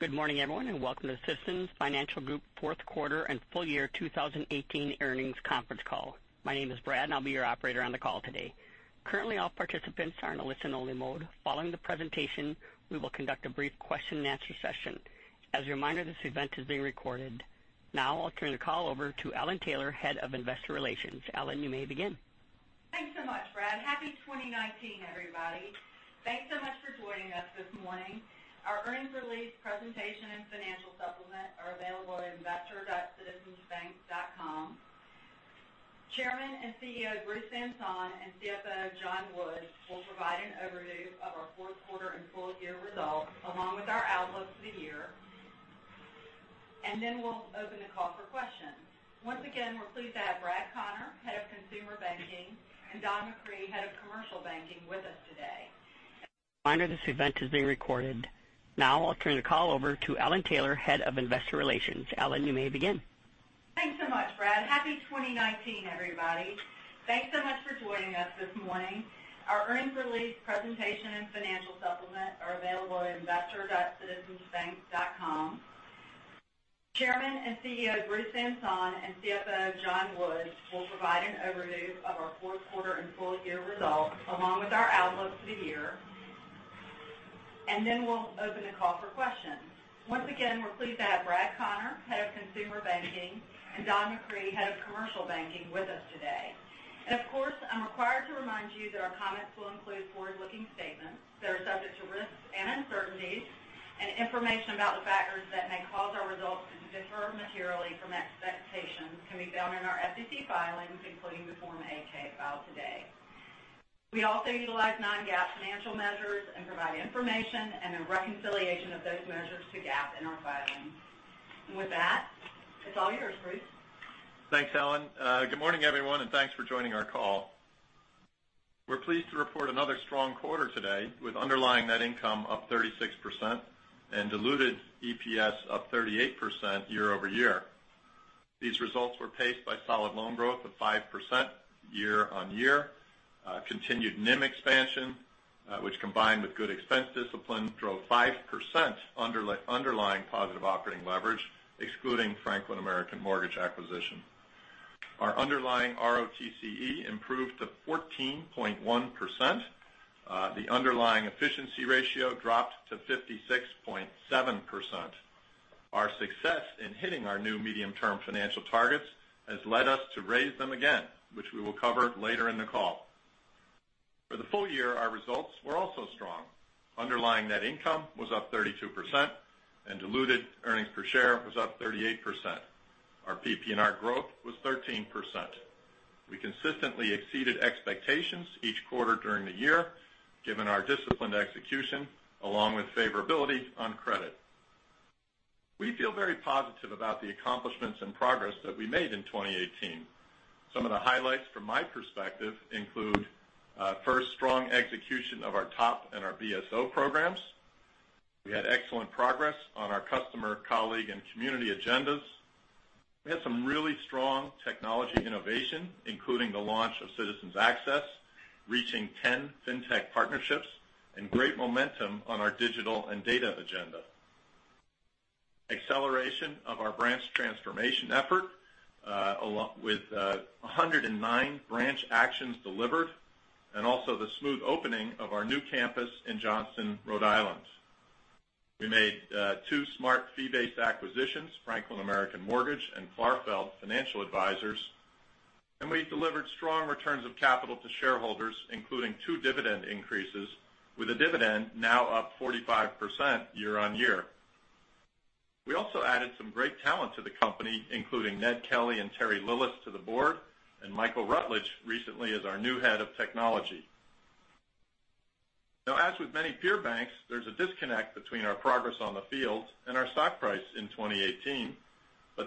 Good morning, everyone, and welcome to Citizens Financial Group fourth quarter and full year 2018 earnings conference call. My name is Brad and I will be your operator on the call today. Currently, all participants are in a listen only mode. Following the presentation, we will conduct a brief question and answer session. As a reminder, this event is being recorded. Now I will turn the call over to Ellen Taylor, Head of Investor Relations. Ellen, you may begin. Thanks so much, Brad. Happy 2019, everybody. Thanks so much for joining us this morning. Our earnings release presentation and financial supplement are available at investor.citizensbank.com. Chairman and CEO, Bruce Van Saun, and CFO, John Woods, will provide an overview of our fourth quarter and full year results, along with our outlook for the year. Then we will open the call for questions. Once again, we are pleased to have Brad Conner, Head of Consumer Banking, and Don McCree, Head of Commercial Banking, with us today. Of course, I am required to remind you that our comments will include forward-looking statements that are subject to risks and uncertainties and information about the factors that may cause our results to differ materially from expectations can be found in our SEC filings, including the Form 8-K filed today. We also utilize non-GAAP financial measures and provide information and a reconciliation of those measures to GAAP in our filings. With that, it's all yours, Bruce. Thanks, Ellen. Good morning, everyone, and thanks for joining our call. We're pleased to report another strong quarter today with underlying net income up 36% and diluted EPS up 38% year-over-year. These results were paced by solid loan growth of 5% year-over-year, continued NIM expansion, which combined with good expense discipline, drove 5% underlying positive operating leverage, excluding Franklin American Mortgage acquisition. Our underlying ROTCE improved to 14.1%. The underlying efficiency ratio dropped to 56.7%. Our success in hitting our new medium-term financial targets has led us to raise them again, which we will cover later in the call. For the full year, our results were also strong. Underlying net income was up 32%, and diluted earnings per share was up 38%. Our PPNR growth was 13%. We consistently exceeded expectations each quarter during the year, given our disciplined execution along with favorability on credit. We feel very positive about the accomplishments and progress that we made in 2018. Some of the highlights from my perspective include, first, strong execution of our TOP and our BSO programs. We had excellent progress on our customer, colleague, and community agendas. We had some really strong technology innovation, including the launch of Citizens Access, reaching 10 fintech partnerships, and great momentum on our digital and data agenda. Acceleration of our branch transformation effort, with 109 branch actions delivered, and also the smooth opening of our new campus in Johnston, Rhode Island. We made two smart fee-based acquisitions, Franklin American Mortgage and Clarfeld Financial Advisors. We delivered strong returns of capital to shareholders, including two dividend increases with a dividend now up 45% year-over-year. We also added some great talent to the company, including Ned Kelly and Terry Lillis to the board, and Michael Ruttledge recently as our new head of technology. As with many peer banks, there's a disconnect between our progress on the field and our stock price in 2018.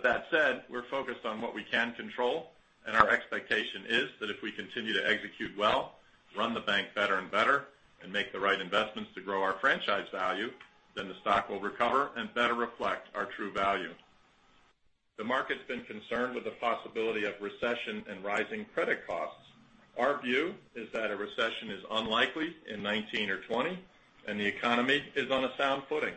That said, we're focused on what we can control and our expectation is that if we continue to execute well, run the bank better and better, and make the right investments to grow our franchise value, the stock will recover and better reflect our true value. The market's been concerned with the possibility of recession and rising credit costs. Our view is that a recession is unlikely in 2019 or 2020, and the economy is on a sound footing.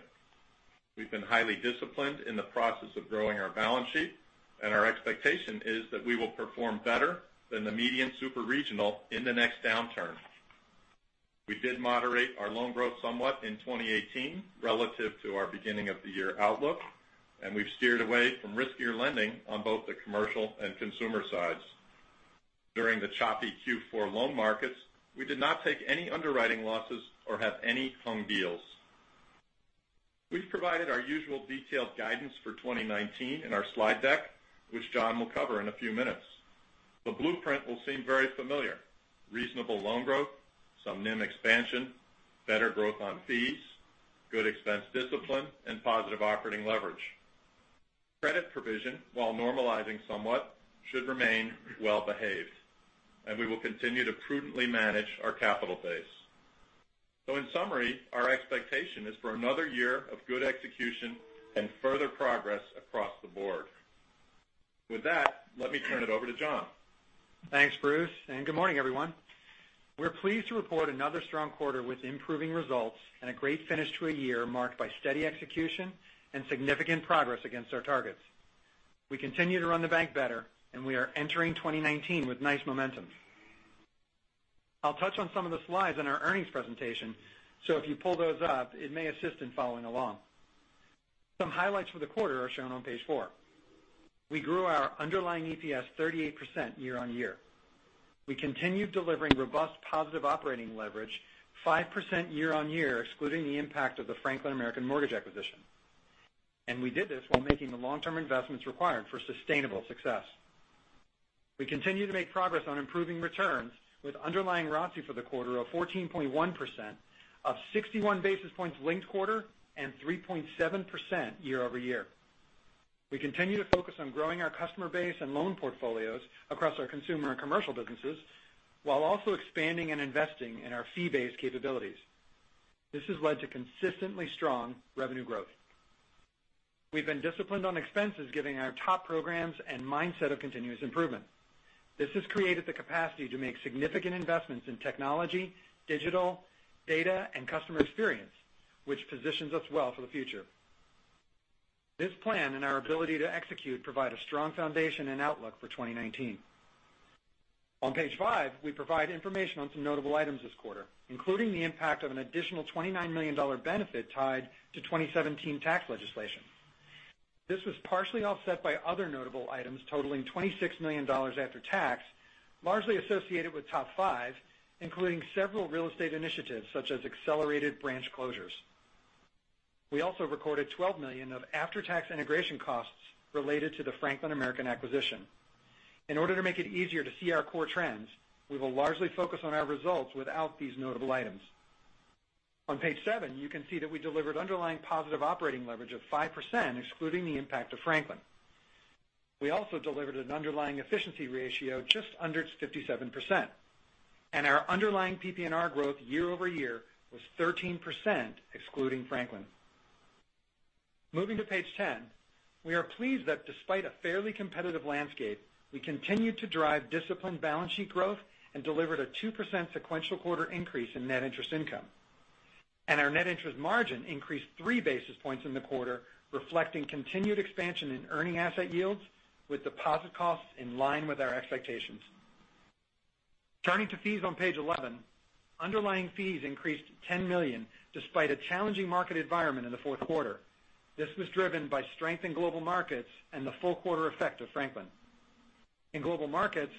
We've been highly disciplined in the process of growing our balance sheet. Our expectation is that we will perform better than the median super-regional in the next downturn. We did moderate our loan growth somewhat in 2018 relative to our beginning of the year outlook. We've steered away from riskier lending on both the commercial and consumer sides. During the choppy Q4 loan markets, we did not take any underwriting losses or have any hung deals. We've provided our usual detailed guidance for 2019 in our slide deck, which John will cover in a few minutes. The blueprint will seem very familiar. Reasonable loan growth, some NIM expansion, better growth on fees, good expense discipline, positive operating leverage. Credit provision, while normalizing somewhat, should remain well-behaved. We will continue to prudently manage our capital base. In summary, our expectation is for another year of good execution and further progress across the board. With that, let me turn it over to John. Thanks, Bruce. Good morning, everyone. We're pleased to report another strong quarter with improving results and a great finish to a year marked by steady execution and significant progress against our targets. We continue to run the bank better. We are entering 2019 with nice momentum. I'll touch on some of the slides in our earnings presentation. If you pull those up, it may assist in following along. Some highlights for the quarter are shown on page four. We grew our underlying EPS 38% year-on-year. We continued delivering robust positive operating leverage 5% year-on-year, excluding the impact of the Franklin American Mortgage acquisition. We did this while making the long-term investments required for sustainable success. We continue to make progress on improving returns with underlying ROTCE for the quarter of 14.1%, up 61 basis points linked quarter, and 3.7% year-over-year. We continue to focus on growing our customer base and loan portfolios across our consumer and commercial businesses, while also expanding and investing in our fee-based capabilities. This has led to consistently strong revenue growth. We've been disciplined on expenses, giving our TOP programs and mindset of continuous improvement. This has created the capacity to make significant investments in technology, digital, data, and customer experience, which positions us well for the future. This plan and our ability to execute provide a strong foundation and outlook for 2019. On page five, we provide information on some notable items this quarter, including the impact of an additional $29 million benefit tied to 2017 tax legislation. This was partially offset by other notable items totaling $26 million after tax, largely associated with TOP five, including several real estate initiatives such as accelerated branch closures. We also recorded $12 million of after-tax integration costs related to the Franklin American acquisition. In order to make it easier to see our core trends, we will largely focus on our results without these notable items. On page seven, you can see that we delivered underlying positive operating leverage of 5%, excluding the impact of Franklin. Our underlying efficiency ratio just under 57%. Our underlying PPNR growth year-over-year was 13%, excluding Franklin. Moving to page 10, we are pleased that despite a fairly competitive landscape, we continued to drive disciplined balance sheet growth and delivered a 2% sequential quarter increase in net interest income. Our net interest margin increased three basis points in the quarter, reflecting continued expansion in earning asset yields with deposit costs in line with our expectations. Turning to fees on page 11, underlying fees increased to $10 million despite a challenging market environment in the fourth quarter. This was driven by strength in global markets and the full quarter effect of Franklin. In global markets,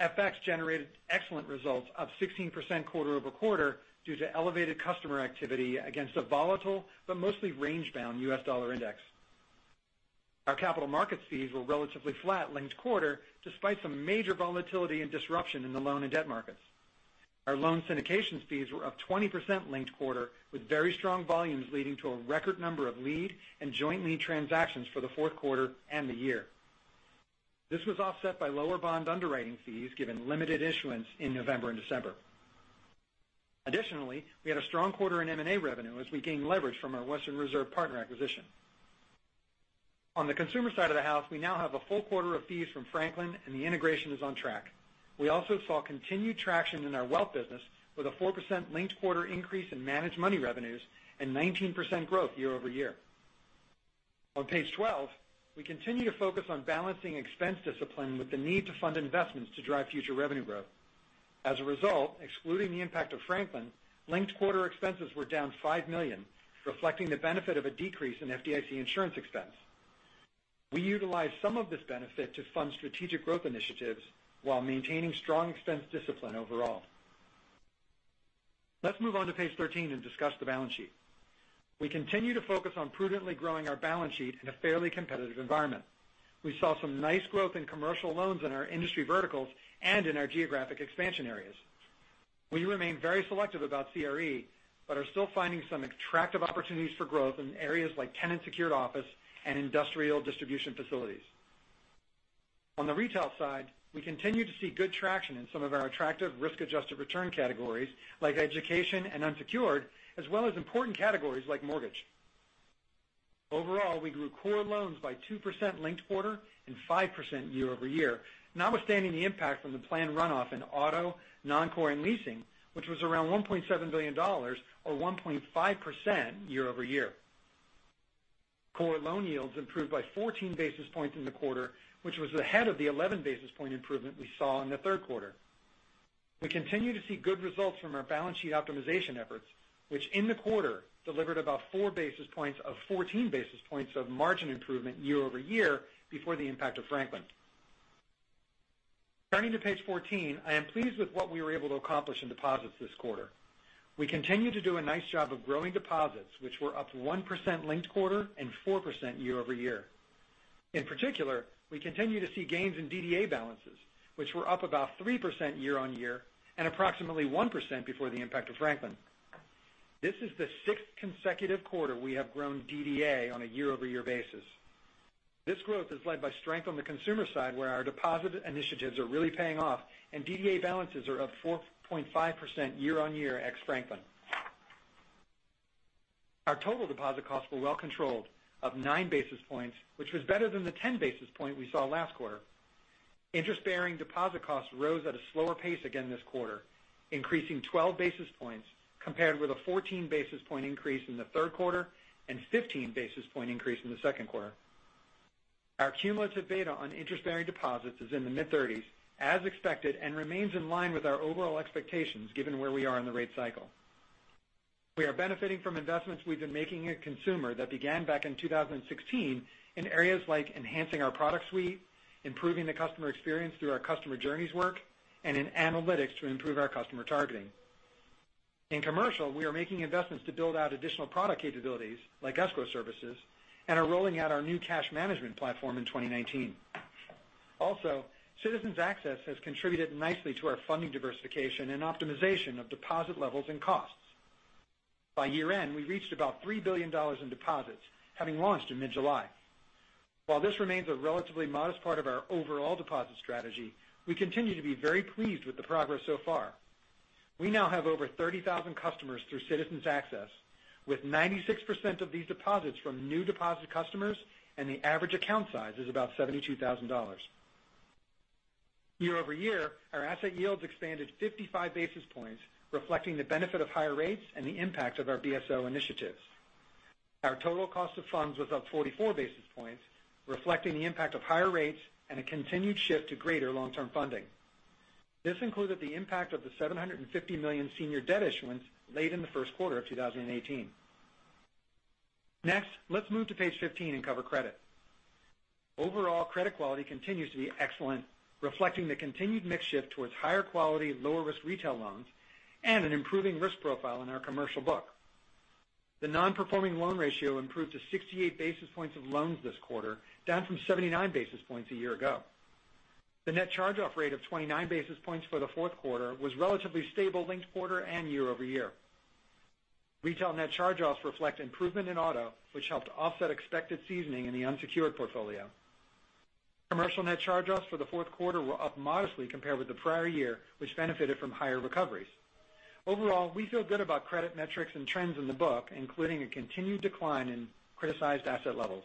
FX generated excellent results of 16% quarter-over-quarter due to elevated customer activity against a volatile but mostly range-bound U.S. dollar index. Our capital markets fees were relatively flat linked quarter, despite some major volatility and disruption in the loan and debt markets. Our loan syndications fees were up 20% linked quarter, with very strong volumes leading to a record number of lead and joint lead transactions for the fourth quarter and the year. This was offset by lower bond underwriting fees given limited issuance in November and December. Additionally, we had a strong quarter in M&A revenue as we gained leverage from our Western Reserve Partners acquisition. On the consumer side of the house, we now have a full quarter of fees from Franklin and the integration is on track. We also saw continued traction in our wealth business with a 4% linked quarter increase in managed money revenues and 19% growth year-over-year. On page 12, we continue to focus on balancing expense discipline with the need to fund investments to drive future revenue growth. As a result, excluding the impact of Franklin, linked quarter expenses were down $5 million, reflecting the benefit of a decrease in FDIC insurance expense. We utilized some of this benefit to fund strategic growth initiatives while maintaining strong expense discipline overall. Let's move on to page 13 and discuss the balance sheet. We continue to focus on prudently growing our balance sheet in a fairly competitive environment. We saw some nice growth in commercial loans in our industry verticals and in our geographic expansion areas. We remain very selective about CRE, but are still finding some attractive opportunities for growth in areas like tenant-secured office and industrial distribution facilities. On the retail side, we continue to see good traction in some of our attractive risk-adjusted return categories like education and unsecured, as well as important categories like mortgage. Overall, we grew core loans by 2% linked quarter and 5% year-over-year, notwithstanding the impact from the planned runoff in auto, non-core, and leasing, which was around $1.7 billion or 1.5% year-over-year. Core loan yields improved by 14 basis points in the quarter, which was ahead of the 11 basis point improvement we saw in the third quarter. We continue to see good results from our balance sheet optimization efforts, which in the quarter delivered 14 basis points of margin improvement year-over-year before the impact of Franklin. Turning to page 14, I am pleased with what we were able to accomplish in deposits this quarter. We continue to do a nice job of growing deposits, which were up 1% linked quarter and 4% year-over-year. In particular, we continue to see gains in DDA balances, which were up about 3% year-on-year and approximately 1% before the impact of Franklin. This is the sixth consecutive quarter we have grown DDA on a year-over-year basis. This growth is led by strength on the consumer side, where our deposit initiatives are really paying off and DDA balances are up 4.5% year-on-year ex Franklin. Our total deposit costs were well controlled of nine basis points, which was better than the 10 basis points we saw last quarter. Interest-bearing deposit costs rose at a slower pace again this quarter, increasing 12 basis points compared with a 14 basis points increase in the third quarter and 15 basis points increase in the second quarter. Our cumulative beta on interest-bearing deposits is in the mid-30s, as expected, and remains in line with our overall expectations, given where we are in the rate cycle. We are benefiting from investments we've been making in consumer that began back in 2016 in areas like enhancing our product suite, improving the customer experience through our customer journeys work, and in analytics to improve our customer targeting. In commercial, we are making investments to build out additional product capabilities like escrow services and are rolling out our new cash management platform in 2019. Also, Citizens Access has contributed nicely to our funding diversification and optimization of deposit levels and costs. By year-end, we reached about $3 billion in deposits, having launched in mid-July. While this remains a relatively modest part of our overall deposit strategy, we continue to be very pleased with the progress so far. We now have over 30,000 customers through Citizens Access, with 96% of these deposits from new deposit customers, and the average account size is about $72,000. Year-over-year, our asset yields expanded 55 basis points, reflecting the benefit of higher rates and the impact of our BSO initiatives. Our total cost of funds was up 44 basis points, reflecting the impact of higher rates and a continued shift to greater long-term funding. This included the impact of the $750 million senior debt issuance late in the first quarter of 2018. Next, let's move to page 15 and cover credit. Overall, credit quality continues to be excellent, reflecting the continued mix shift towards higher quality, lower risk retail loans and an improving risk profile in our commercial book. The non-performing loan ratio improved to 68 basis points of loans this quarter, down from 79 basis points a year ago. The net charge-off rate of 29 basis points for the fourth quarter was relatively stable linked quarter and year-over-year. Retail net charge-offs reflect improvement in auto, which helped offset expected seasoning in the unsecured portfolio. Commercial net charge-offs for the fourth quarter were up modestly compared with the prior year, which benefited from higher recoveries. Overall, we feel good about credit metrics and trends in the book, including a continued decline in criticized asset levels.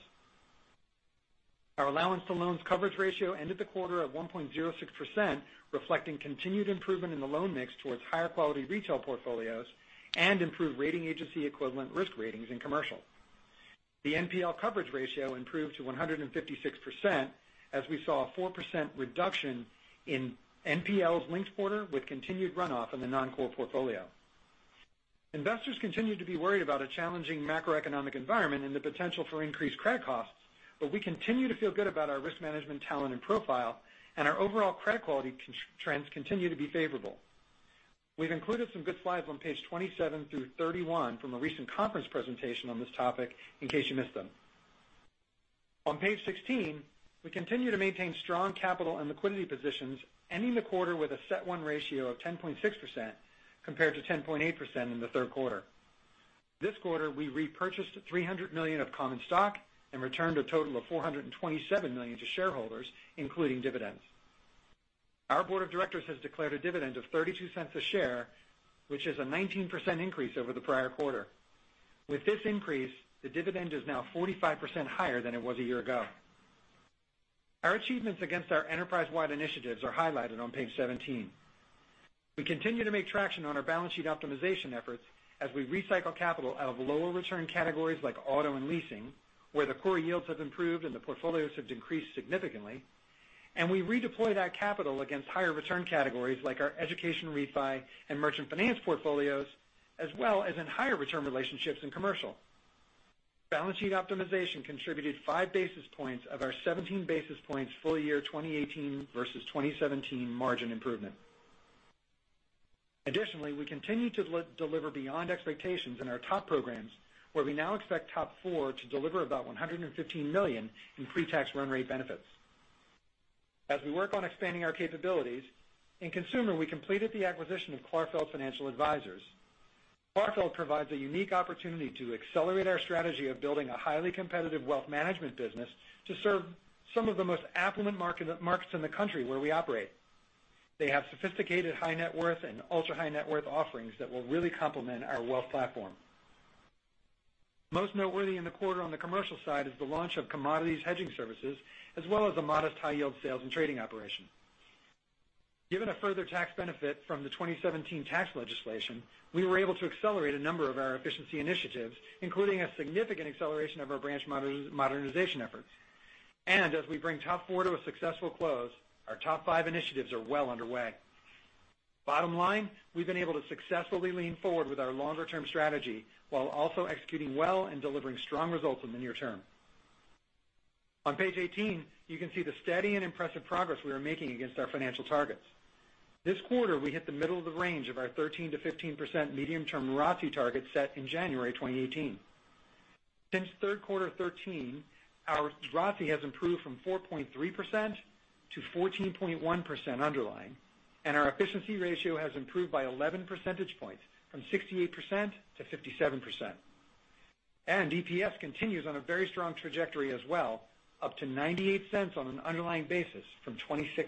Our allowance to loans coverage ratio ended the quarter at 1.06%, reflecting continued improvement in the loan mix towards higher quality retail portfolios and improved rating agency equivalent risk ratings in commercial. The NPL coverage ratio improved to 156% as we saw a 4% reduction in NPLs linked quarter, with continued runoff in the non-core portfolio. Investors continue to be worried about a challenging macroeconomic environment and the potential for increased credit costs, but we continue to feel good about our risk management talent and profile, and our overall credit quality trends continue to be favorable. We've included some good slides on page 27 through 31 from a recent conference presentation on this topic in case you missed them. On page 16, we continue to maintain strong capital and liquidity positions, ending the quarter with a CET1 ratio of 10.6% compared to 10.8% in the third quarter. This quarter, we repurchased $300 million of common stock and returned a total of $427 million to shareholders, including dividends. Our board of directors has declared a dividend of $0.32 a share, which is a 19% increase over the prior quarter. With this increase, the dividend is now 45% higher than it was a year ago. Our achievements against our enterprise-wide initiatives are highlighted on page 17. We continue to make traction on our balance sheet optimization efforts as we recycle capital out of lower return categories like auto and leasing, where the core yields have improved and the portfolios have decreased significantly. We redeploy that capital against higher return categories like our education refi and merchant finance portfolios, as well as in higher return relationships in commercial. Balance sheet optimization contributed five basis points of our 17 basis points full year 2018 versus 2017 margin improvement. Additionally, we continue to deliver beyond expectations in our TOP programs, where we now expect TOP 4 to deliver about $115 million in pre-tax run rate benefits. As we work on expanding our capabilities, in consumer, we completed the acquisition of Clarfeld Financial Advisors. Clarfeld provides a unique opportunity to accelerate our strategy of building a highly competitive wealth management business to serve some of the most affluent markets in the country where we operate. They have sophisticated high net worth and ultra-high net worth offerings that will really complement our wealth platform. Most noteworthy in the quarter on the commercial side is the launch of commodities hedging services, as well as a modest high yield sales and trading operation. Given a further tax benefit from the 2017 tax legislation, we were able to accelerate a number of our efficiency initiatives, including a significant acceleration of our branch modernization efforts. As we bring TOP 4 to a successful close, our TOP 5 initiatives are well underway. Bottom line, we've been able to successfully lean forward with our longer-term strategy while also executing well and delivering strong results in the near term. On page 18, you can see the steady and impressive progress we are making against our financial targets. This quarter, we hit the middle of the range of our 13%-15% medium-term ROTCE target set in January 2018. Since third quarter of 2013, our ROTCE has improved from 4.3%-14.1% underlying, our efficiency ratio has improved by 11 percentage points from 68%-57%. EPS continues on a very strong trajectory as well, up to $0.98 on an underlying basis from $0.26.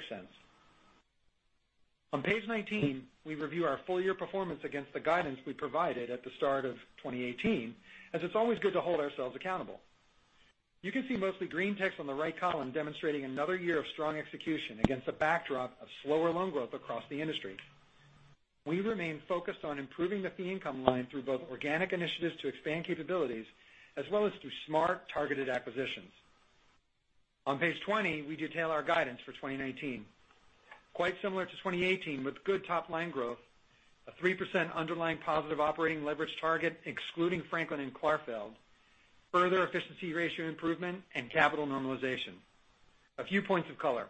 On page 19, we review our full year performance against the guidance we provided at the start of 2018, as it's always good to hold ourselves accountable. You can see mostly green text on the right column demonstrating another year of strong execution against a backdrop of slower loan growth across the industry. We remain focused on improving the fee income line through both organic initiatives to expand capabilities as well as through smart, targeted acquisitions. On page 20, we detail our guidance for 2019. Quite similar to 2018, with good top-line growth, a 3% underlying positive operating leverage target, excluding Franklin American Mortgage and Clarfeld Financial Advisors, further efficiency ratio improvement, and capital normalization. A few points of color.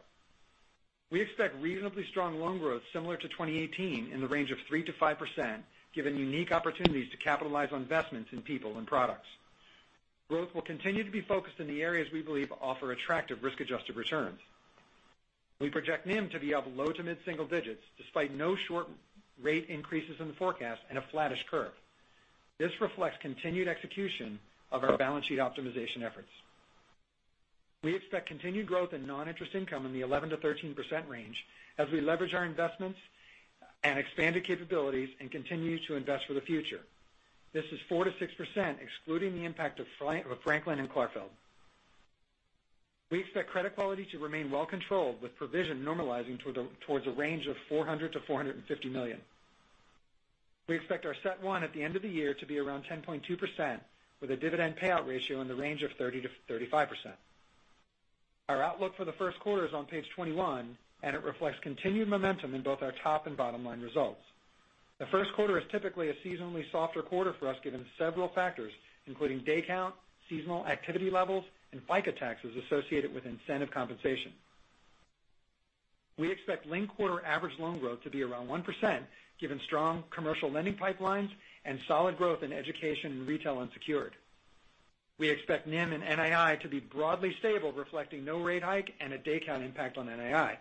We expect reasonably strong loan growth similar to 2018 in the range of 3%-5%, given unique opportunities to capitalize on investments in people and products. Growth will continue to be focused in the areas we believe offer attractive risk-adjusted returns. We project NIM to be up low to mid-single digits, despite no short rate increases in the forecast and a flattish curve. This reflects continued execution of our balance sheet optimization efforts. We expect continued growth in non-interest income in the 11%-13% range as we leverage our investments and expanded capabilities and continue to invest for the future. This is 4%-6%, excluding the impact of Franklin American Mortgage and Clarfeld Financial Advisors. We expect credit quality to remain well controlled, with provision normalizing towards a range of $400 million-$450 million. We expect our CET1 at the end of the year to be around 10.2%, with a dividend payout ratio in the range of 30%-35%. Our outlook for the first quarter is on page 21, and it reflects continued momentum in both our top and bottom line results. The first quarter is typically a seasonally softer quarter for us, given several factors, including day count, seasonal activity levels, and FICA taxes associated with incentive compensation. We expect linked-quarter average loan growth to be around 1%, given strong commercial lending pipelines and solid growth in education and retail unsecured. We expect NIM and NII to be broadly stable, reflecting no rate hike and a day count impact on NII.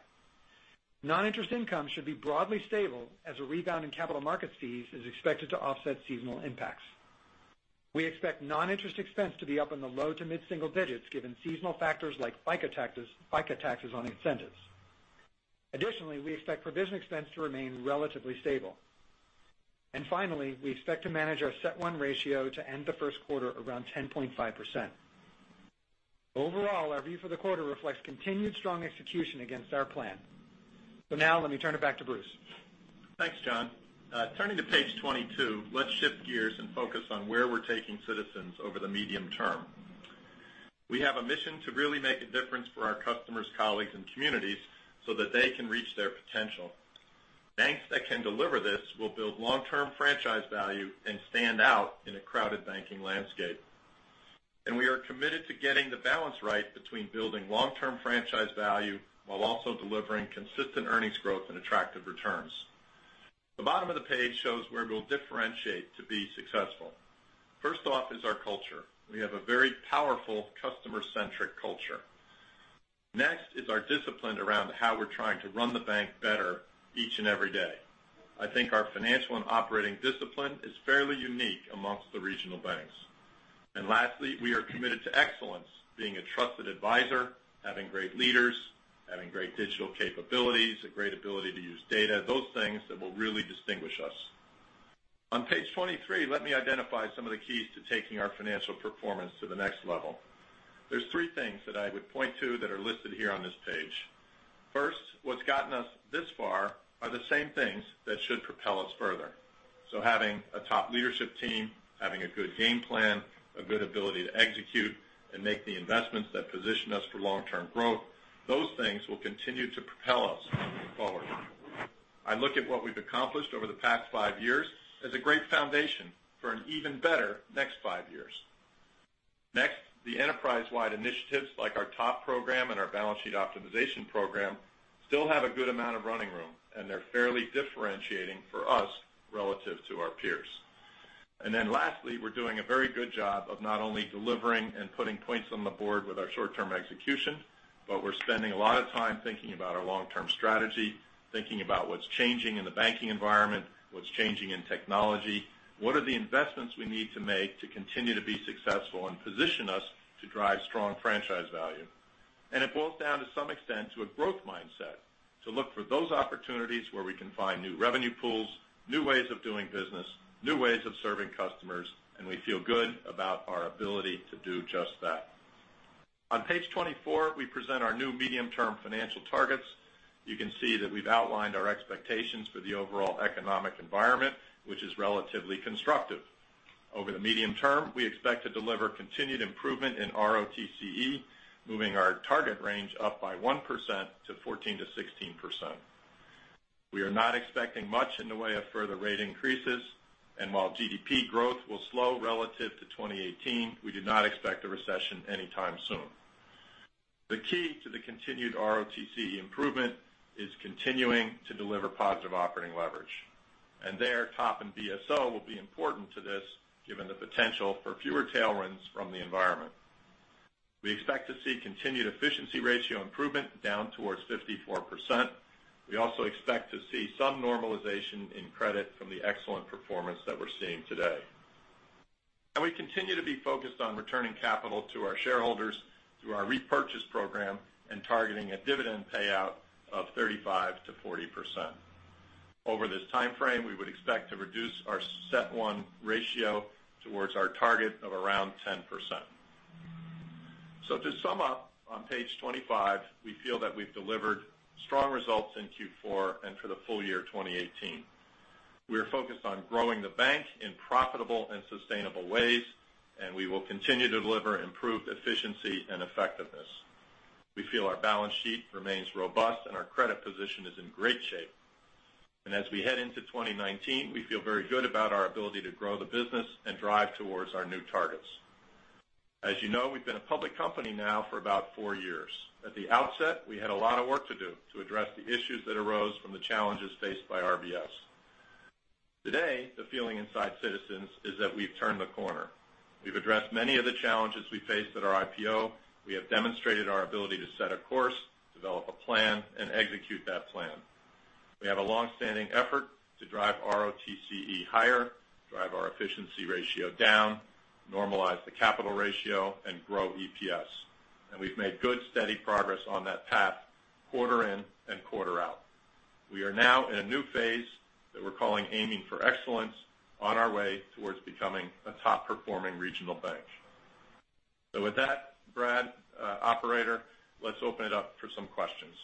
Non-interest income should be broadly stable as a rebound in capital markets fees is expected to offset seasonal impacts. We expect non-interest expense to be up in the low to mid-single digits, given seasonal factors like FICA taxes on incentives. Additionally, we expect provision expense to remain relatively stable. Finally, we expect to manage our CECL 1 ratio to end the first quarter around 10.5%. Overall, our view for the quarter reflects continued strong execution against our plan. Now let me turn it back to Bruce. Thanks, John. Turning to page 22, let's shift gears and focus on where we're taking Citizens over the medium term. We have a mission to really make a difference for our customers, colleagues, and communities so that they can reach their potential. Banks that can deliver this will build long-term franchise value and stand out in a crowded banking landscape. We are committed to getting the balance right between building long-term franchise value while also delivering consistent earnings growth and attractive returns. The bottom of the page shows where we'll differentiate to be successful. First off is our culture. We have a very powerful customer-centric culture. Next is our discipline around how we're trying to run the bank better each and every day. I think our financial and operating discipline is fairly unique amongst the regional banks. Lastly, we are committed to excellence, being a trusted advisor, having great leaders, having great digital capabilities, a great ability to use data, those things that will really distinguish us. On page 23, let me identify some of the keys to taking our financial performance to the next level. There's three things that I would point to that are listed here on this page. First, what's gotten us this far are the same things that should propel us further. Having a top leadership team, having a good game plan, a good ability to execute and make the investments that position us for long-term growth, those things will continue to propel us forward. I look at what we've accomplished over the past five years as a great foundation for an even better next five years. Next, the enterprise-wide initiatives like our TOP program and our balance sheet optimization program still have a good amount of running room, and they're fairly differentiating for us relative to our peers. Lastly, we're doing a very good job of not only delivering and putting points on the board with our short-term execution, but we're spending a lot of time thinking about our long-term strategy, thinking about what's changing in the banking environment, what's changing in technology, what are the investments we need to make to continue to be successful and position us to drive strong franchise value. It boils down, to some extent, to a growth mindset, to look for those opportunities where we can find new revenue pools, new ways of doing business, new ways of serving customers, and we feel good about our ability to do just that. On page 24, we present our new medium-term financial targets. You can see that we've outlined our expectations for the overall economic environment, which is relatively constructive. Over the medium term, we expect to deliver continued improvement in ROTCE, moving our target range up by 1% to 14%-16%. We are not expecting much in the way of further rate increases, and while GDP growth will slow relative to 2018, we do not expect a recession anytime soon. The key to the continued ROTCE improvement is continuing to deliver positive operating leverage. There, TOP and BSO will be important to this, given the potential for fewer tailwinds from the environment. We expect to see continued efficiency ratio improvement down towards 54%. We also expect to see some normalization in credit from the excellent performance that we're seeing today. We continue to be focused on returning capital to our shareholders through our repurchase program and targeting a dividend payout of 35%-40%. Over this timeframe, we would expect to reduce our CET1 ratio towards our target of around 10%. To sum up, on page 25, we feel that we've delivered strong results in Q4 and for the full year 2018. We are focused on growing the bank in profitable and sustainable ways, and we will continue to deliver improved efficiency and effectiveness. We feel our balance sheet remains robust and our credit position is in great shape. As we head into 2019, we feel very good about our ability to grow the business and drive towards our new targets. As you know, we've been a public company now for about four years. At the outset, we had a lot of work to do to address the issues that arose from the challenges faced by RBS. Today, the feeling inside Citizens is that we've turned the corner. We've addressed many of the challenges we faced at our IPO. We have demonstrated our ability to set a course, develop a plan, and execute that plan. We have a longstanding effort to drive ROTCE higher, drive our efficiency ratio down, normalize the capital ratio, and grow EPS. We've made good, steady progress on that path quarter in and quarter out. We are now in a new phase that we're calling Aiming for Excellence on our way towards becoming a top-performing regional bank. With that, Brad, operator, let's open it up for some questions.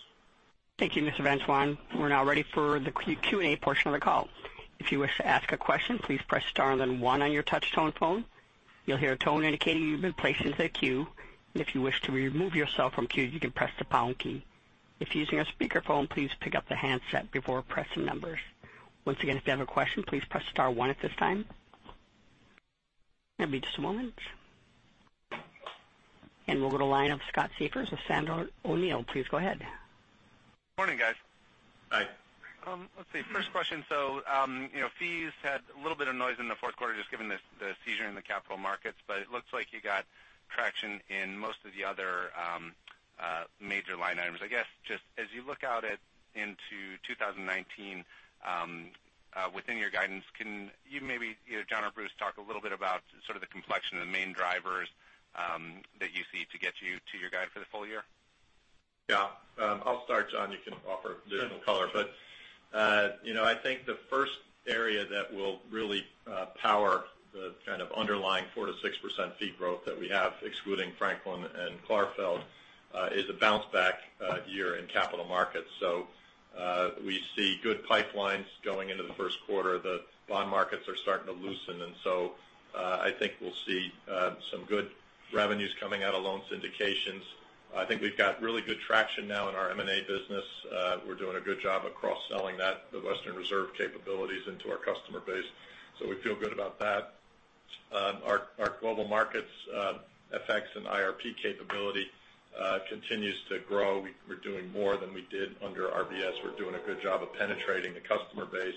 Thank you, Mr. Van Saun. We're now ready for the Q&A portion of the call. If you wish to ask a question, please press star and then one on your touch-tone phone. You'll hear a tone indicating you've been placed into the queue. If you wish to remove yourself from queue, you can press the pound key. If you're using a speakerphone, please pick up the handset before pressing numbers. Once again, if you have a question, please press star one at this time. Give me just a moment. We'll go to line of Scott Siefers with Sandler O'Neill. Please go ahead. Morning, guys. Hi. First question. Fees had a little bit of noise in the fourth quarter just given the seizure in the capital markets, but it looks like you got traction in most of the other major line items. I guess, just as you look out into 2019 within your guidance, can you maybe, John or Bruce, talk a little bit about sort of the complexion of the main drivers that you see to get you to your guide for the full year? Yeah. I'll start. John, you can offer additional color. I think the first area that will really power the kind of underlying 4%-6% fee growth that we have, excluding Franklin and Clarfeld, is a bounce back year in capital markets. We see good pipelines going into the first quarter. The bond markets are starting to loosen, and so I think we'll see some good revenues coming out of loan syndications. I think we've got really good traction now in our M&A business. We're doing a good job of cross-selling that, the Western Reserve capabilities into our customer base. We feel good about that. Our global markets FX and IRP capability continues to grow. We're doing more than we did under RBS. We're doing a good job of penetrating the customer base.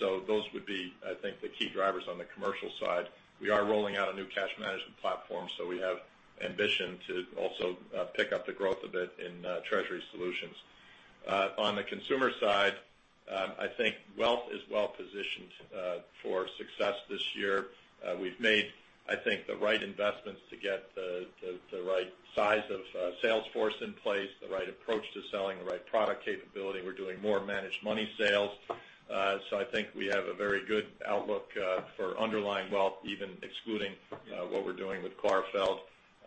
Those would be, I think, the key drivers on the commercial side. We are rolling out a new cash management platform, so we have ambition to also pick up the growth a bit in treasury solutions. On the consumer side, I think wealth is well positioned for success this year. We've made, I think, the right investments to get the right size of sales force in place, the right approach to selling, the right product capability. We're doing more managed money sales. I think we have a very good outlook for underlying wealth, even excluding what we're doing with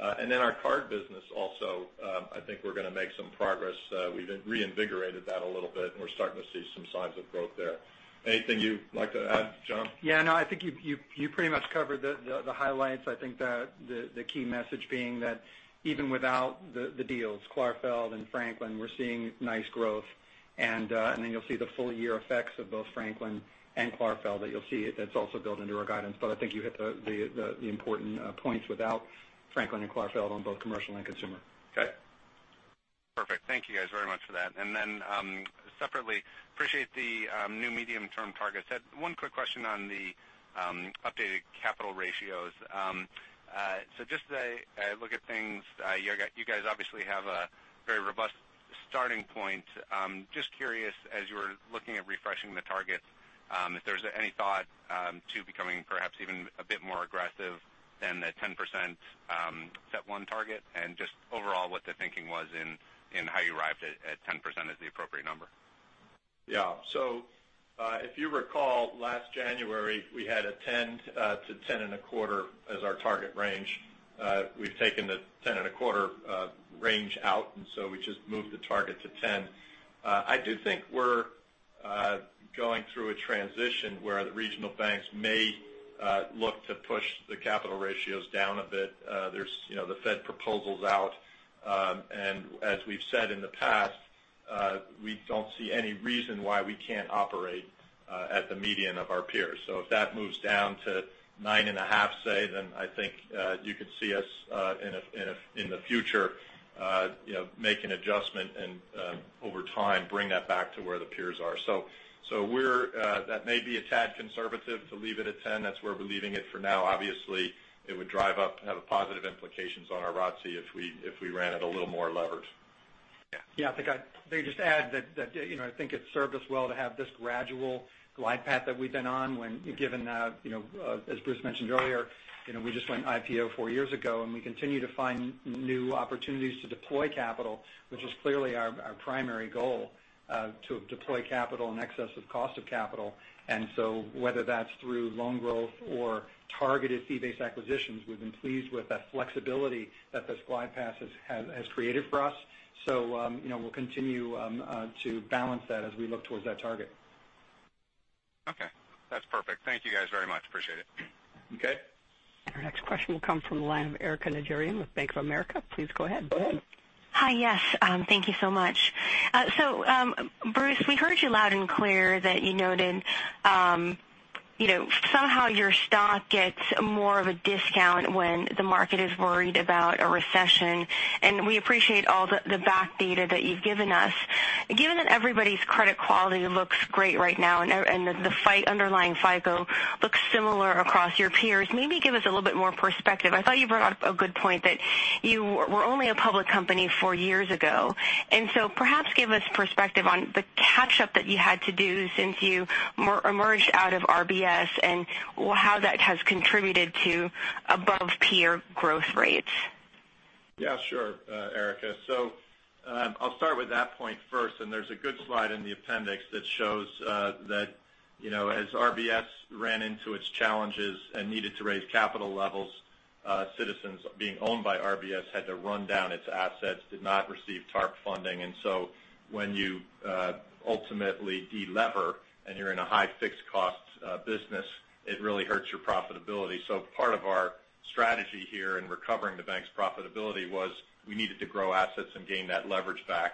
Clarfeld. Our card business also, I think we're going to make some progress. We've reinvigorated that a little bit, and we're starting to see some signs of growth there. Anything you'd like to add, John? Yeah. I think you pretty much covered the highlights. I think the key message being that even without the deals, Clarfeld and Franklin, we're seeing nice growth. You'll see the full-year effects of both Franklin and Clarfeld that you'll see that's also built into our guidance. I think you hit the important points without Franklin and Clarfeld on both commercial and consumer. Okay. Perfect. Thank you guys very much for that. Separately, appreciate the new medium-term targets. Had one quick question on the updated capital ratios. As I look at things, you guys obviously have a very robust starting point. Just curious, as you were looking at refreshing the targets, if there was any thought to becoming perhaps even a bit more aggressive than the 10% CET1 target? Just overall, what the thinking was in how you arrived at 10% as the appropriate number. Yeah. If you recall, last January, we had a 10%-10.25% as our target range. We've taken the 10.25% range out, and we just moved the target to 10%. I do think we're going through a transition where the regional banks may look to push the capital ratios down a bit. There's the Fed proposals out. As we've said in the past, we don't see any reason why we can't operate at the median of our peers. If that moves down to 9.5%, say, I think you could see us in the future make an adjustment and over time bring that back to where the peers are. That may be a tad conservative to leave it at 10%. That's where we're leaving it for now. Obviously, it would drive up and have positive implications on our ROTCE if we ran it a little more levered. Yeah. I think I'd just add that I think it's served us well to have this gradual glide path that we've been on when given that, as Bruce mentioned earlier, we just went IPO four years ago, and we continue to find new opportunities to deploy capital, which is clearly our primary goal, to deploy capital in excess of cost of capital. Whether that's through loan growth or targeted fee-based acquisitions, we've been pleased with that flexibility that this glide path has created for us. We'll continue to balance that as we look towards that target. Okay, that's perfect. Thank you guys very much. Appreciate it. Okay. Our next question will come from the line of Erika Najarian with Bank of America. Please go ahead. Hi. Yes. Thank you so much. Bruce, we heard you loud and clear that you noted somehow your stock gets more of a discount when the market is worried about a recession. We appreciate all the back data that you've given us. Given that everybody's credit quality looks great right now and the underlying FICO looks similar across your peers, maybe give us a little bit more perspective. I thought you brought up a good point that you were only a public company four years ago, and so perhaps give us perspective on the catch-up that you had to do since you emerged out of RBS and how that has contributed to above-peer growth rates. Yeah, sure, Erika. I'll start with that point first. There's a good slide in the appendix that shows that as RBS ran into its challenges and needed to raise capital levels, Citizens, being owned by RBS, had to run down its assets, did not receive TARP funding. When you ultimately de-lever and you're in a high fixed cost business, it really hurts your profitability. Part of our strategy here in recovering the bank's profitability was we needed to grow assets and gain that leverage back.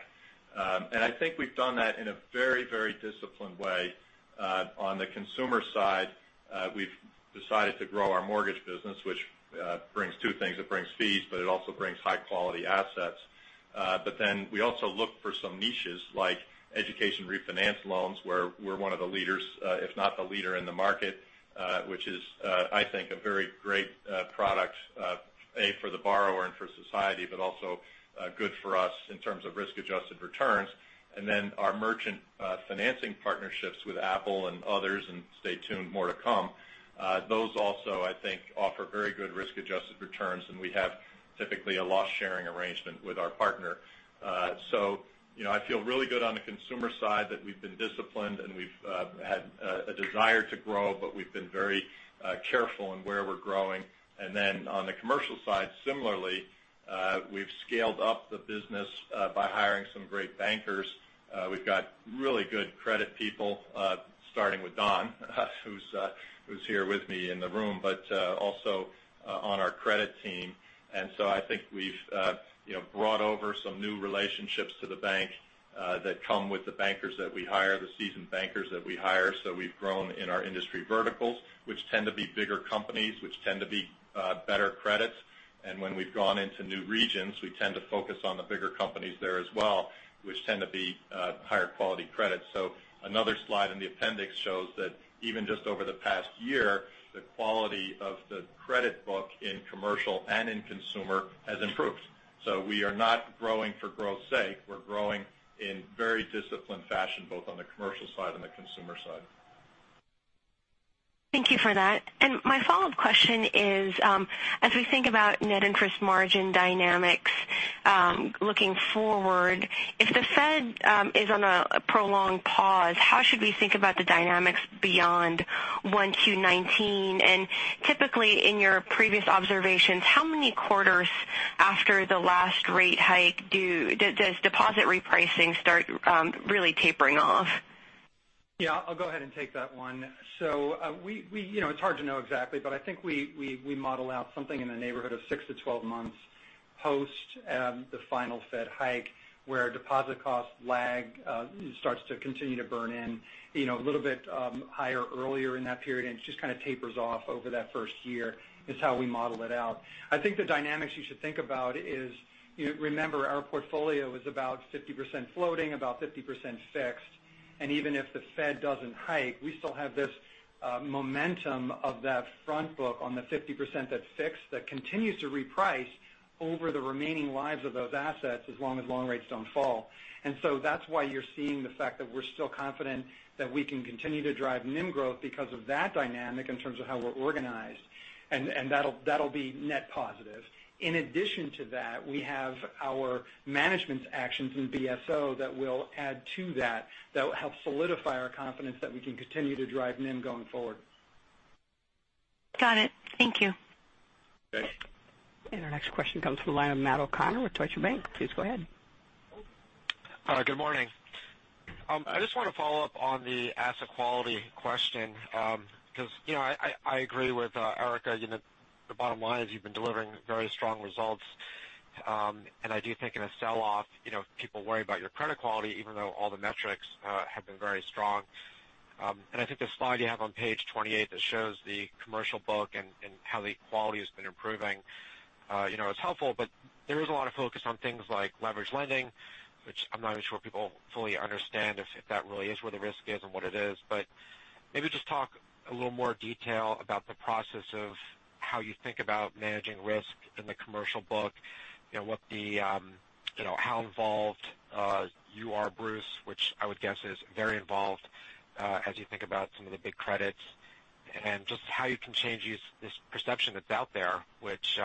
I think we've done that in a very disciplined way. On the consumer side, we've decided to grow our mortgage business, which brings two things. It brings fees, but it also brings high-quality assets. We also look for some niches like education refinance loans, where we're one of the leaders, if not the leader in the market, which is I think a very great product, A, for the borrower and for society, but also good for us in terms of risk-adjusted returns. Our merchant financing partnerships with Apple and others, and stay tuned, more to come. Those also, I think, offer very good risk-adjusted returns, and we have typically a loss-sharing arrangement with our partner. I feel really good on the consumer side that we've been disciplined and we've had a desire to grow, but we've been very careful in where we're growing. On the commercial side, similarly, we've scaled up the business by hiring some great bankers. We've got really good credit people, starting with Don, who's here with me in the room, but also on our credit team. I think we've brought over some new relationships to the bank that come with the seasoned bankers that we hire. We've grown in our industry verticals, which tend to be bigger companies, which tend to be better credits. When we've gone into new regions, we tend to focus on the bigger companies there as well, which tend to be higher quality credits. Another slide in the appendix shows that even just over the past year, the quality of the credit book in commercial and in consumer has improved. We are not growing for growth's sake. We're growing in very disciplined fashion, both on the commercial side and the consumer side. Thank you for that. My follow-up question is, as we think about net interest margin dynamics looking forward, if the Fed is on a prolonged pause, how should we think about the dynamics beyond 1Q 2019? Typically, in your previous observations, how many quarters after the last rate hike does deposit repricing start really tapering off? I'll go ahead and take that one. It's hard to know exactly, but I think we model out something in the neighborhood of 6-12 months post the final Fed hike, where deposit cost lag starts to continue to burn in a little bit higher earlier in that period and just kind of tapers off over that first year, is how we model it out. I think the dynamics you should think about is, remember our portfolio is about 50% floating, about 50% fixed, and even if the Fed doesn't hike, we still have this momentum of that front book on the 50% that's fixed that continues to reprice over the remaining lives of those assets as long as loan rates don't fall. That's why you're seeing the fact that we're still confident that we can continue to drive NIM growth because of that dynamic in terms of how we're organized, and that'll be net positive. In addition to that, we have our management's actions in BSO that will add to that will help solidify our confidence that we can continue to drive NIM going forward. Got it. Thank you. Thanks. Our next question comes from the line of Matt O'Connor with Deutsche Bank. Please go ahead. Hi. Good morning. I just want to follow up on the asset quality question because I agree with Erika. The bottom line is you've been delivering very strong results. I do think in a sell-off, people worry about your credit quality, even though all the metrics have been very strong. I think the slide you have on page 28 that shows the commercial book and how the quality has been improving is helpful. There is a lot of focus on things like leverage lending, which I'm not even sure people fully understand if that really is where the risk is and what it is. Maybe just talk a little more detail about the process of how you think about managing risk in the commercial book, how involved you are, Bruce, which I would guess is very involved, as you think about some of the big credits, just how you can change this perception that's out there, which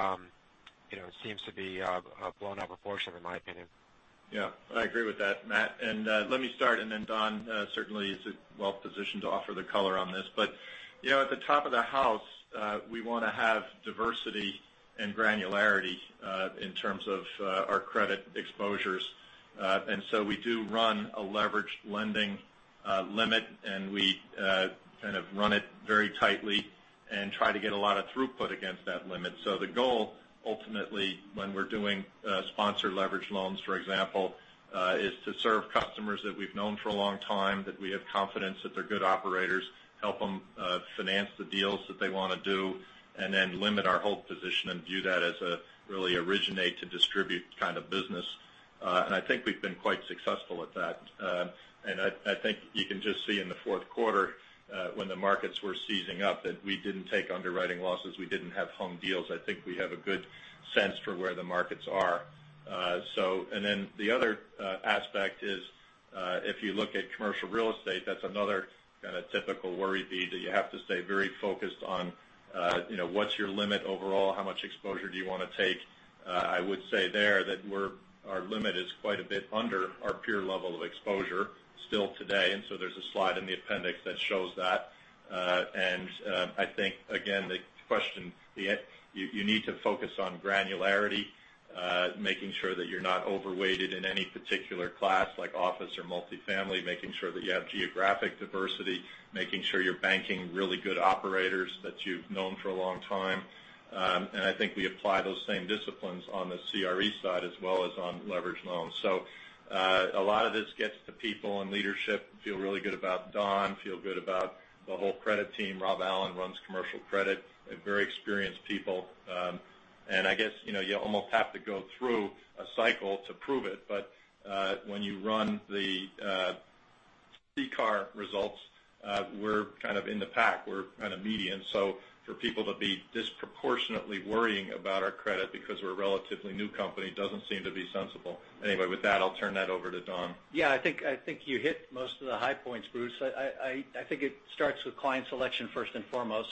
seems to be a blown-up proportion, in my opinion. Yeah. I agree with that, Matt. Let me start, then Don certainly is well-positioned to offer the color on this. At the top of the house, we want to have diversity and granularity in terms of our credit exposures. We do run a leveraged lending limit, and we kind of run it very tightly and try to get a lot of throughput against that limit. The goal ultimately when we're doing sponsored leverage loans, for example, is to serve customers that we've known for a long time, that we have confidence that they're good operators, help them finance the deals that they want to do, and then limit our hold position and view that as a really originate to distribute kind of business. I think we've been quite successful at that. I think you can just see in the fourth quarter, when the markets were seizing up, that we didn't take underwriting losses. We didn't have hung deals. I think we have a good sense for where the markets are. The other aspect is, if you look at commercial real estate, that's another kind of typical worry bead that you have to stay very focused on. What's your limit overall? How much exposure do you want to take? I would say there that our limit is quite a bit under our peer level of exposure still today. There's a slide in the appendix that shows that. I think, again, the question, you need to focus on granularity, making sure that you're not overweighted in any particular class like office or multifamily, making sure that you have geographic diversity, making sure you're banking really good operators that you've known for a long time. I think we apply those same disciplines on the CRE side as well as on leveraged loans. A lot of this gets to people and leadership. Feel really good about Don, feel good about the whole credit team. Robert Allen runs commercial credit. Very experienced people. I guess you almost have to go through a cycle to prove it. When you run the CCAR results, we're kind of in the pack. We're kind of median. For people to be disproportionately worrying about our credit because we're a relatively new company doesn't seem to be sensible. Anyway, with that, I'll turn that over to Don. I think you hit most of the high points, Bruce. I think it starts with client selection first and foremost.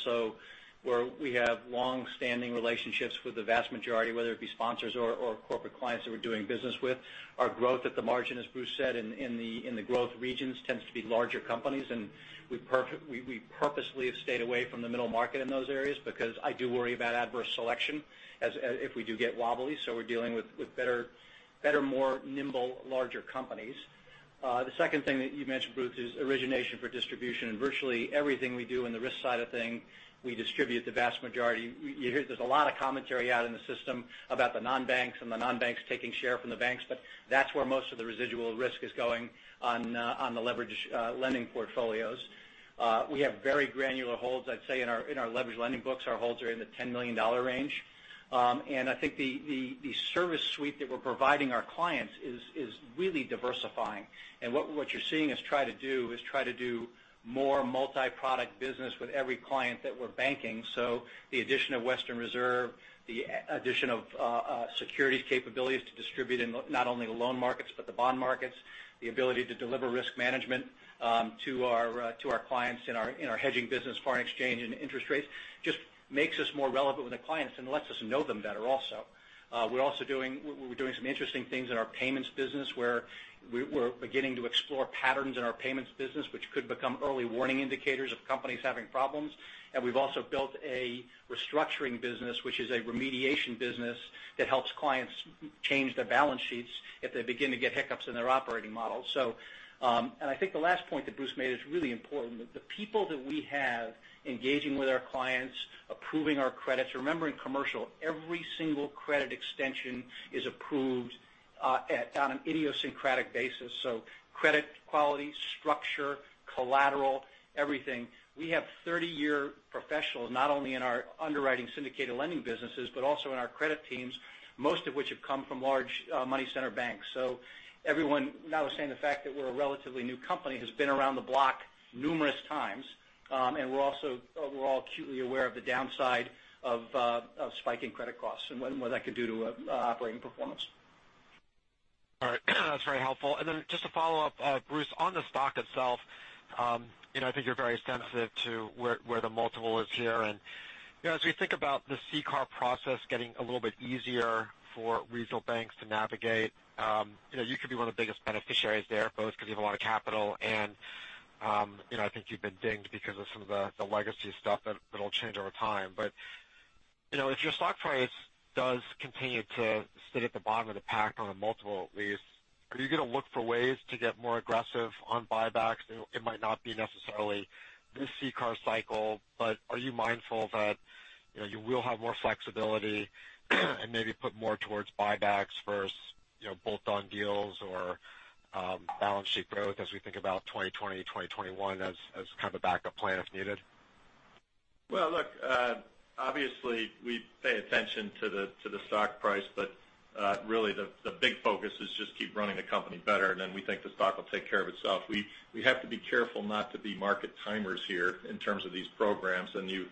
Where we have longstanding relationships with the vast majority, whether it be sponsors or corporate clients that we're doing business with. Our growth at the margin, as Bruce said, in the growth regions tends to be larger companies, and we purposefully have stayed away from the middle market in those areas because I do worry about adverse selection if we do get wobbly. We're dealing with better, more nimble, larger companies. The second thing that you mentioned, Bruce, is origination for distribution, virtually everything we do in the risk side of things, we distribute the vast majority. There's a lot of commentary out in the system about the non-banks and the non-banks taking share from the banks, that's where most of the residual risk is going on the leverage lending portfolios. We have very granular holds. I'd say in our leverage lending books, our holds are in the $10 million range. I think the service suite that we're providing our clients is really diversifying. What you're seeing us try to do is try to do more multi-product business with every client that we're banking. The addition of Western Reserve, the addition of securities capabilities to distribute in not only the loan markets but the bond markets, the ability to deliver risk management to our clients in our hedging business, foreign exchange, and interest rates just makes us more relevant with the clients and lets us know them better also. We're also doing some interesting things in our payments business where we're beginning to explore patterns in our payments business, which could become early warning indicators of companies having problems. We've also built a restructuring business, which is a remediation business that helps clients change their balance sheets if they begin to get hiccups in their operating model. I think the last point that Bruce made is really important, that the people that we have engaging with our clients, approving our credits. Remember in commercial, every single credit extension is approved on an idiosyncratic basis. So credit quality, structure, collateral, everything. We have 30-year professionals, not only in our underwriting syndicated lending businesses, but also in our credit teams, most of which have come from large money center banks. So everyone notwithstanding the fact that we're a relatively new company, has been around the block numerous times. We're also overall acutely aware of the downside of spiking credit costs and what that could do to operating performance. All right. That's very helpful. Just to follow up, Bruce, on the stock itself, I think you're very sensitive to where the multiple is here. As we think about the CCAR process getting a little bit easier for regional banks to navigate, you could be one of the biggest beneficiaries there, both because you have a lot of capital and I think you've been dinged because of some of the legacy stuff that'll change over time. If your stock price does continue to sit at the bottom of the pack on a multiple at least, are you going to look for ways to get more aggressive on buybacks? It might not be necessarily this CCAR cycle, but are you mindful that you will have more flexibility and maybe put more towards buybacks versus bolt-on deals or balance sheet growth as we think about 2020, 2021 as kind of a backup plan if needed? Look, obviously, we pay attention to the stock price, but really the big focus is just keep running the company better and then we think the stock will take care of itself. We have to be careful not to be market timers here in terms of these programs. You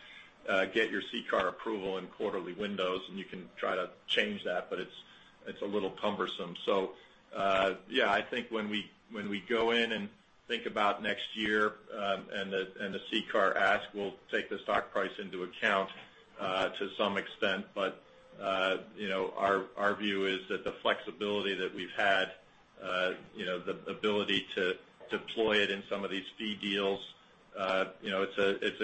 get your CCAR approval in quarterly windows, and you can try to change that, but it's a little cumbersome. Yeah, I think when we go in and think about next year, and the CCAR ask, we'll take the stock price into account to some extent. Our view is that the flexibility that we've had, the ability to deploy it in some of these fee deals. It's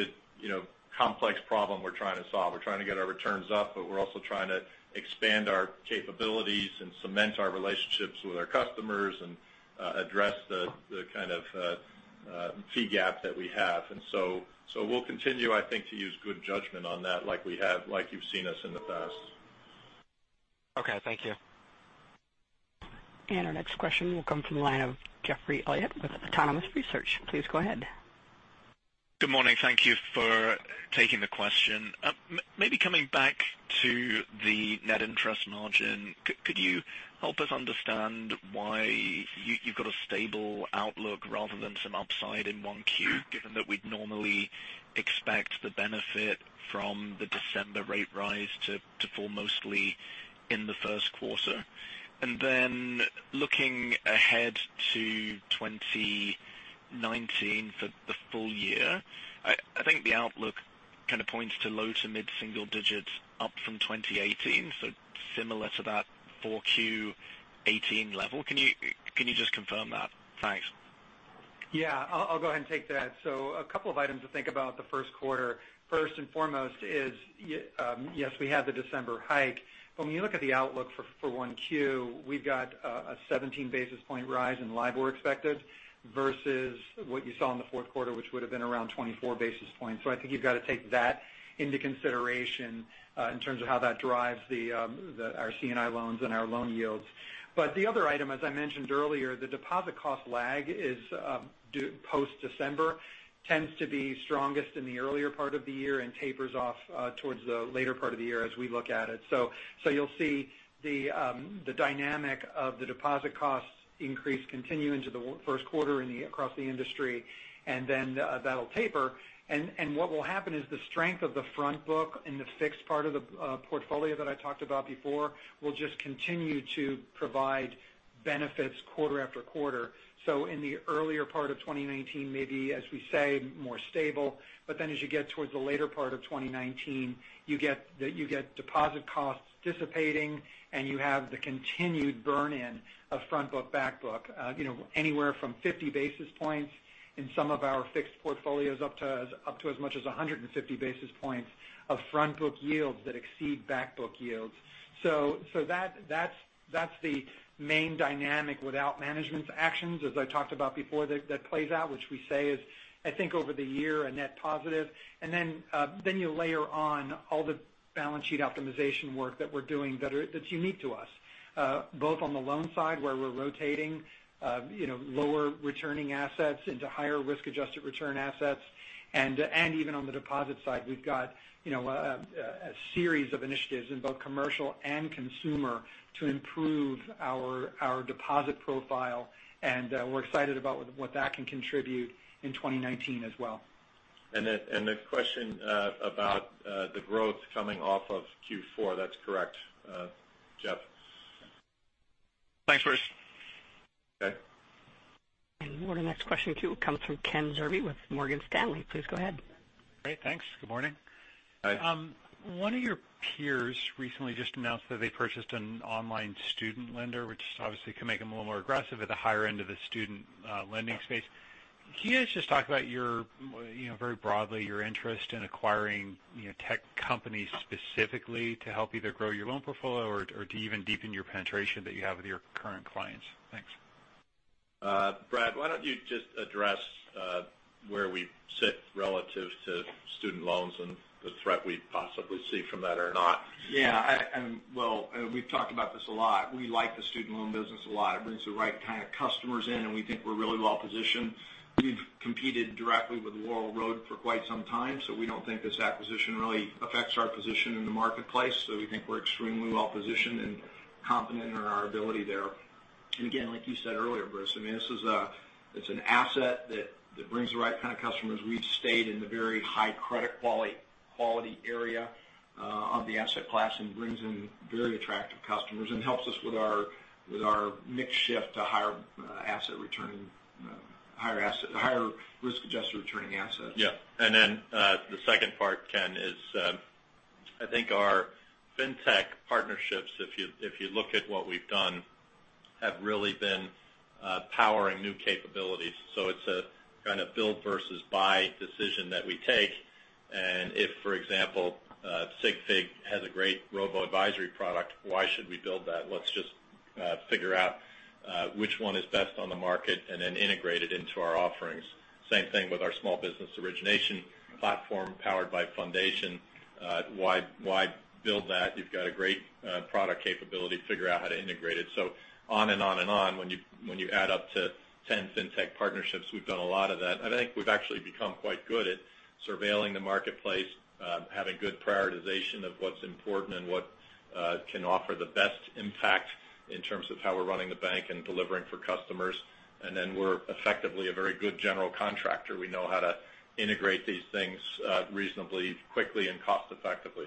a complex problem we're trying to solve. We're trying to get our returns up, but we're also trying to expand our capabilities and cement our relationships with our customers and address the kind of fee gap that we have. We'll continue, I think, to use good judgment on that like you've seen us in the past. Okay, thank you. Our next question will come from the line of Geoffrey Elliott with Autonomous Research. Please go ahead. Good morning. Thank you for taking the question. Coming back to the net interest margin. Could you help us understand why you've got a stable outlook rather than some upside in 1Q, given that we'd normally expect the benefit from the December rate rise to fall mostly in the first quarter? Looking ahead to 2019 for the full year, I think the outlook kind of points to low to mid single digits up from 2018, so similar to that 4Q 2018 level. Can you just confirm that? Thanks. Yeah. I'll go ahead and take that. A couple of items to think about the first quarter. First and foremost is, yes, we had the December hike. When you look at the outlook for 1Q, we've got a 17 basis point rise in LIBOR expected, versus what you saw in the fourth quarter, which would've been around 24 basis points. I think you've got to take that into consideration, in terms of how that drives our C&I loans and our loan yields. The other item, as I mentioned earlier, the deposit cost lag is post-December, tends to be strongest in the earlier part of the year and tapers off towards the later part of the year as we look at it. You'll see the dynamic of the deposit costs increase continue into the first quarter across the industry, and then that'll taper. What will happen is the strength of the front book and the fixed part of the portfolio that I talked about before, will just continue to provide benefits quarter after quarter. In the earlier part of 2019, maybe as we say, more stable. As you get towards the later part of 2019, you get deposit costs dissipating, and you have the continued burn-in of front book, back book. Anywhere from 50 basis points in some of our fixed portfolios up to as much as 150 basis points of front book yields that exceed back book yields. That's the main dynamic without management's actions, as I talked about before, that plays out, which we say is, I think over the year, a net positive. You layer on all the balance sheet optimization work that we're doing that's unique to us. Both on the loan side, where we're rotating lower returning assets into higher risk-adjusted return assets. Even on the deposit side, we've got a series of initiatives in both commercial and consumer to improve our deposit profile. We're excited about what that can contribute in 2019 as well. The question about the growth coming off of Q4, that's correct, Geoff. Thanks, Bruce. Okay. The next question comes from Ken Zerbe with Morgan Stanley. Please go ahead. Great, thanks. Good morning. Hi. One of your peers recently just announced that they purchased an online student lender, which obviously can make them a little more aggressive at the higher end of the student lending space. Can you guys just talk about your, very broadly, your interest in acquiring tech companies specifically to help either grow your loan portfolio or to even deepen your penetration that you have with your current clients? Thanks. Brad, why don't you just address where we sit relative to student loans and the threat we possibly see from that or not? Well, we've talked about this a lot. We like the student loan business a lot. It brings the right kind of customers in, and we think we're really well-positioned. We've competed directly with Laurel Road for quite some time, so we don't think this acquisition really affects our position in the marketplace. We think we're extremely well-positioned and confident in our ability there. Again, like you said earlier, Bruce, I mean, it's an asset that brings the right kind of customers. We've stayed in the very high credit quality area of the asset class and brings in very attractive customers and helps us with our mix shift to higher risk-adjusted returning assets. Then the second part, Ken, is I think our fintech partnerships, if you look at what we've done, have really been powering new capabilities. It's a kind of build versus buy decision that we take. If, for example, SigFig has a great robo advisory product, why should we build that? Let's just figure out which one is best on the market and then integrate it into our offerings. Same thing with our small business origination platform powered by Fundation. Why build that? You've got a great product capability. Figure out how to integrate it. On and on and on. When you add up to 10 fintech partnerships, we've done a lot of that. I think we've actually become quite good at surveilling the marketplace, having good prioritization of what's important and what can offer the best impact in terms of how we're running the bank and delivering for customers. Then we're effectively a very good general contractor. We know how to integrate these things reasonably quickly and cost effectively.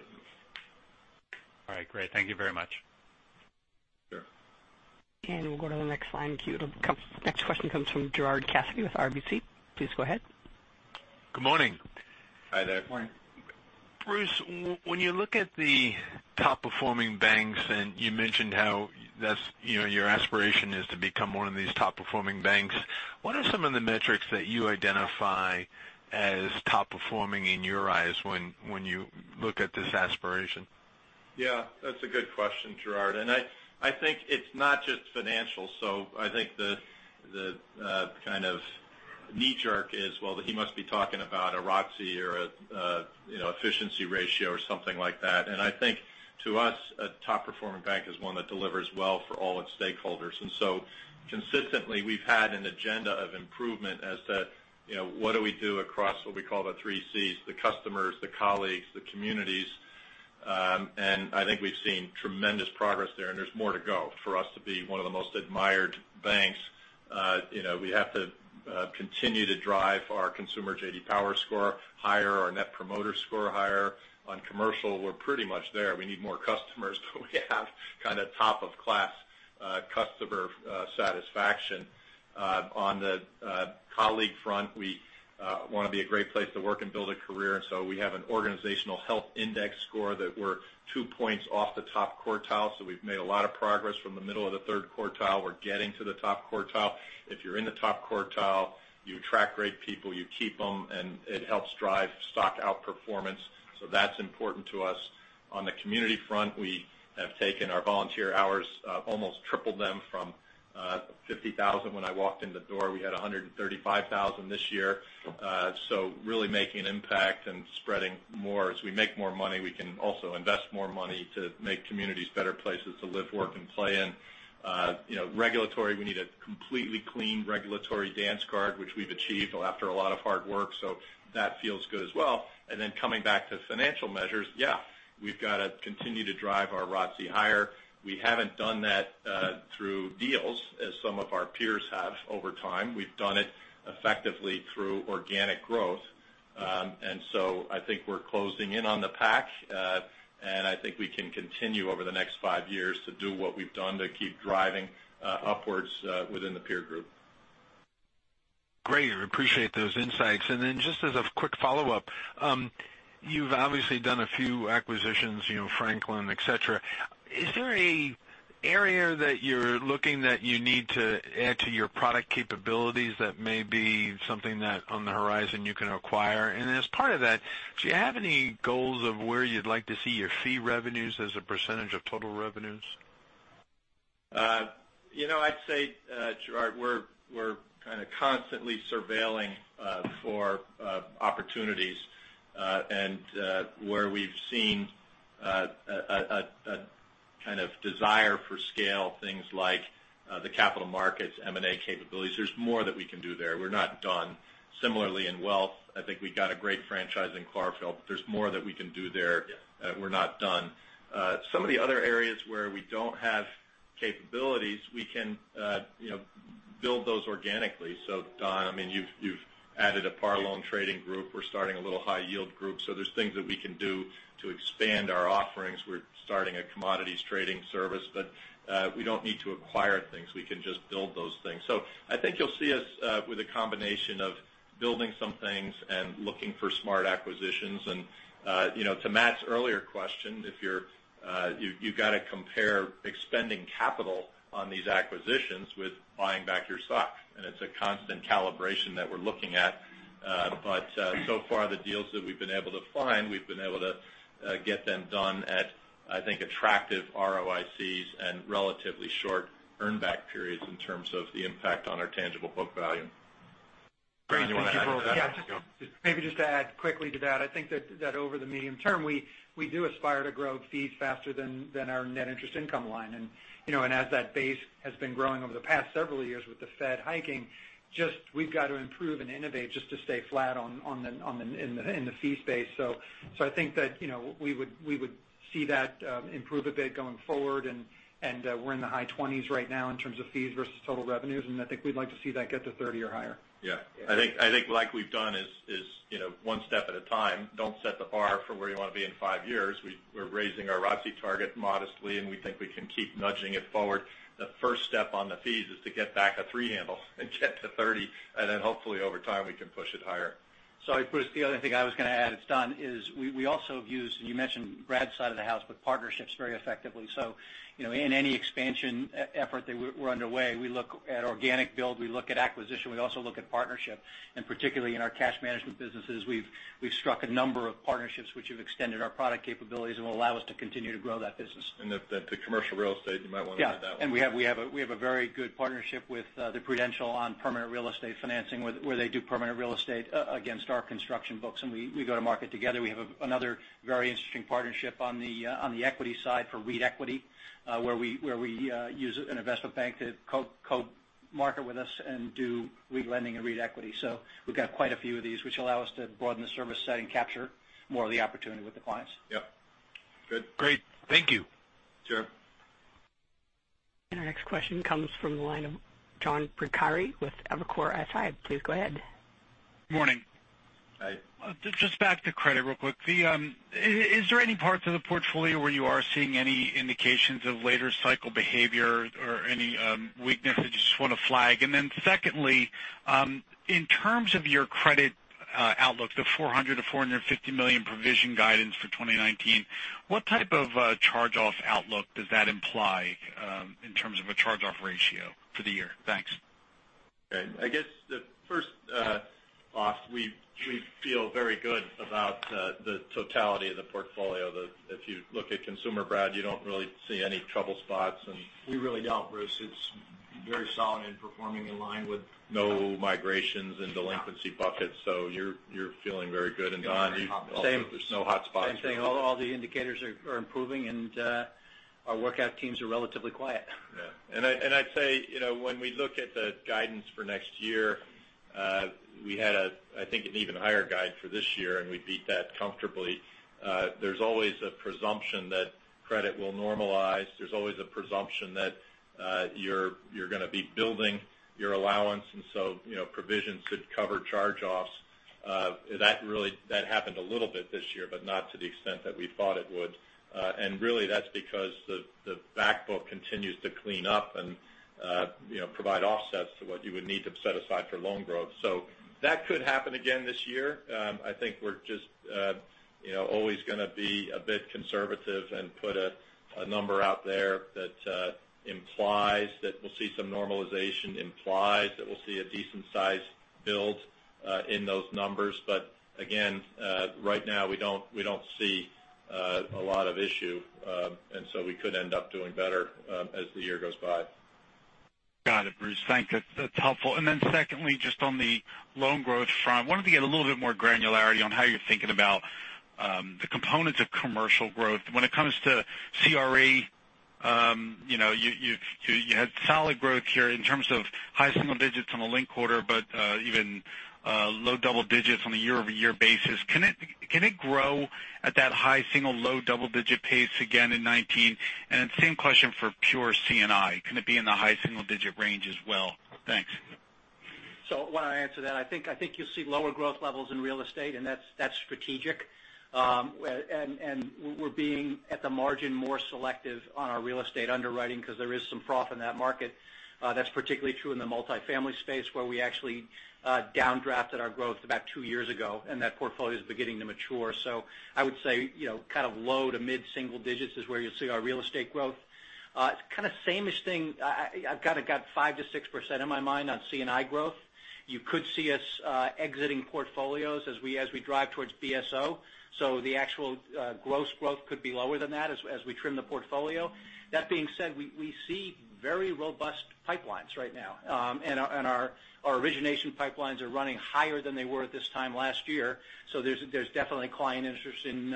All right, great. Thank you very much. Sure. We'll go to the next line queue. The next question comes from Gerard Cassidy with RBC. Please go ahead. Good morning. Hi there. Morning. Bruce, when you look at the top-performing banks, you mentioned how your aspiration is to become one of these top-performing banks, what are some of the metrics that you identify as top-performing in your eyes when you look at this aspiration? Yeah, that's a good question, Gerard. I think it's not just financial. I think the kind of knee-jerk is, well, he must be talking about a ROTCE or efficiency ratio or something like that. I think to us, a top-performing bank is one that delivers well for all its stakeholders. Consistently, we've had an agenda of improvement as to what do we do across what we call the three Cs, the customers, the colleagues, the communities. I think we've seen tremendous progress there, and there's more to go. For us to be one of the most admired banks, we have to continue to drive our consumer J.D. Power score higher, our net promoter score higher. On commercial, we're pretty much there. We need more customers, but we have kind of top-of-class customer satisfaction. On the colleague front, we want to be a great place to work and build a career, we have an organizational health index score that we're two points off the top quartile. We've made a lot of progress from the middle of the third quartile. We're getting to the top quartile. If you're in the top quartile, you attract great people, you keep them, it helps drive stock outperformance. That's important to us. On the community front, we have taken our volunteer hours, almost tripled them from 50,000 when I walked in the door. We had 135,000 this year. Really making an impact and spreading more. As we make more money, we can also invest more money to make communities better places to live, work, and play in. Regulatory, we need a completely clean regulatory dance card, which we've achieved after a lot of hard work, so that feels good as well. Coming back to financial measures, yeah, we've got to continue to drive our ROTCE higher. We haven't done that through deals as some of our peers have over time. We've done it effectively through organic growth. I think we're closing in on the pack. I think we can continue over the next five years to do what we've done to keep driving upwards within the peer group. Great. Appreciate those insights. Just as a quick follow-up, you've obviously done a few acquisitions, Franklin, et cetera. Is there an area that you're looking that you need to add to your product capabilities that may be something that on the horizon you can acquire? As part of that, do you have any goals of where you'd like to see your fee revenues as a percentage of total revenues? I'd say, Gerard, we're kind of constantly surveilling for opportunities, where we've seen a kind of desire for scale, things like the capital markets, M&A capabilities. There's more that we can do there. We're not done. Similarly, in wealth, I think we've got a great franchise in Clarfeld, there's more that we can do there. We're not done. Some of the other areas where we don't have capabilities, we can build those organically. Don, you've added a par loan trading group. We're starting a little high yield group. There's things that we can do to expand our offerings. We're starting a commodities trading service. We don't need to acquire things. We can just build those things. I think you'll see us with a combination of building some things and looking for smart acquisitions. To Matt's earlier question, you've got to compare expending capital on these acquisitions with buying back your stock. It's a constant calibration that we're looking at. So far, the deals that we've been able to find, we've been able to get them done at, I think, attractive ROICs and relatively short earn back periods in terms of the impact on our tangible book value. Great. Don, you want to add to that? Yeah. Maybe just to add quickly to that. I think that over the medium term, we do aspire to grow fees faster than our net interest income line. As that base has been growing over the past several years with the Fed hiking, just we've got to improve and innovate just to stay flat in the fee space. I think that we would see that improve a bit going forward, and we're in the high 20s right now in terms of fees versus total revenues, and I think we'd like to see that get to 30% or higher. Yeah. I think like we've done is one step at a time. Don't set the bar for where you want to be in five years. We're raising our ROTCE target modestly, and we think we can keep nudging it forward. The first step on the fees is to get back a three handle and get to 30%, then hopefully over time, we can push it higher. Sorry, Bruce, the other thing I was going to add, it's done, is we also have used, you mentioned Brad's side of the house, partnerships very effectively. In any expansion effort that we're underway, we look at organic build, we look at acquisition, we also look at partnership. Particularly in our cash management businesses, we've struck a number of partnerships which have extended our product capabilities and will allow us to continue to grow that business. The commercial real estate, you might want to add that one. Yeah. We have a very good partnership with the Prudential on permanent real estate financing where they do permanent real estate against our construction books, and we go to market together. We have another very interesting partnership on the equity side for REIT equity, where we use an investment bank to co-market with us and do re-lending and re-equity. We've got quite a few of these, which allow us to broaden the service set and capture more of the opportunity with the clients. Yep. Good. Great. Thank you. Sure. Our next question comes from the line of John Pancari with Evercore ISI. Please go ahead. Morning. Hi. Just back to credit real quick. Is there any parts of the portfolio where you are seeing any indications of later cycle behavior or any weakness that you just want to flag? Then secondly, in terms of your credit outlook, the $400 million-$450 million provision guidance for 2019, what type of charge-off outlook does that imply in terms of a charge-off ratio for the year? Thanks. Okay. I guess the first off, we feel very good about the totality of the portfolio. If you look at consumer, Brad, you don't really see any trouble spots. We really don't, Bruce. It's very solid and performing in line with. No migrations and delinquency buckets. You're feeling very good. Don, you. Very happy. There's no hot spots. Same. All the indicators are improving. Our workout teams are relatively quiet. Yeah. I'd say, when we look at the guidance for next year, we had, I think, an even higher guide for this year, and we beat that comfortably. There's always a presumption that credit will normalize. There's always a presumption that you're going to be building your allowance, provisions could cover charge-offs. That happened a little bit this year, but not to the extent that we thought it would. Really, that's because the back book continues to clean up and provide offsets to what you would need to set aside for loan growth. That could happen again this year. I think we're just always going to be a bit conservative and put a number out there that implies that we'll see some normalization, implies that we'll see a decent-sized build in those numbers. Again, right now we don't see a lot of issue. We could end up doing better as the year goes by. Got it, Bruce. Thanks. That's helpful. Secondly, just on the loan growth front. Wanted to get a little bit more granularity on how you're thinking about the components of commercial growth. When it comes to CRE, you had solid growth here in terms of high single digits on the linked quarter, but even low double digits on a year-over-year basis. Can it grow at that high single, low double-digit pace again in 2019? Same question for pure C&I. Can it be in the high single-digit range as well? Thanks. Why don't I answer that? I think you'll see lower growth levels in real estate, and that's strategic. We're being, at the margin, more selective on our real estate underwriting because there is some froth in that market. That's particularly true in the multifamily space where we actually downdrafted our growth about two years ago, and that portfolio is beginning to mature. I would say low to mid single digits is where you'll see our real estate growth. Kind of same-ish thing. I've kind of got 5%-6% in my mind on C&I growth. You could see us exiting portfolios as we drive towards BSO. The actual gross growth could be lower than that as we trim the portfolio. That being said, we see very robust pipelines right now. Our origination pipelines are running higher than they were at this time last year. There's definitely client interest in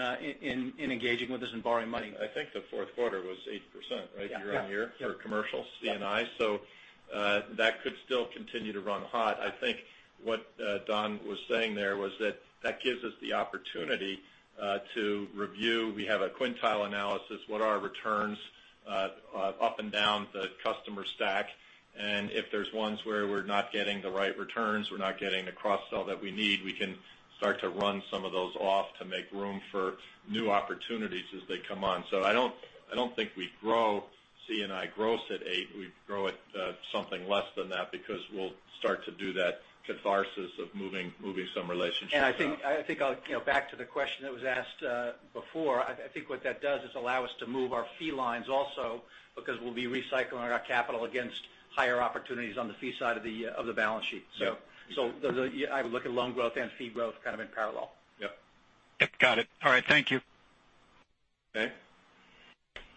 engaging with us and borrowing money. I think the fourth quarter was 8%, right? Yeah. Year-over-year for commercial C&I. That could still continue to run hot. I think what Don was saying there was that gives us the opportunity to review. We have a quintile analysis. What are our returns up and down the customer stack? If there's ones where we're not getting the right returns, we're not getting the cross-sell that we need, we can start to run some of those off to make room for new opportunities as they come on. I don't think we grow C&I gross at 8%. We grow at something less than that because we'll start to do that catharsis of moving some relationships. I think back to the question that was asked before. I think what that does is allow us to move our fee lines also because we'll be recycling our capital against higher opportunities on the fee side of the balance sheet. Yeah. I would look at loan growth and fee growth kind of in parallel. Yep. Yep, got it. All right, thank you. Okay.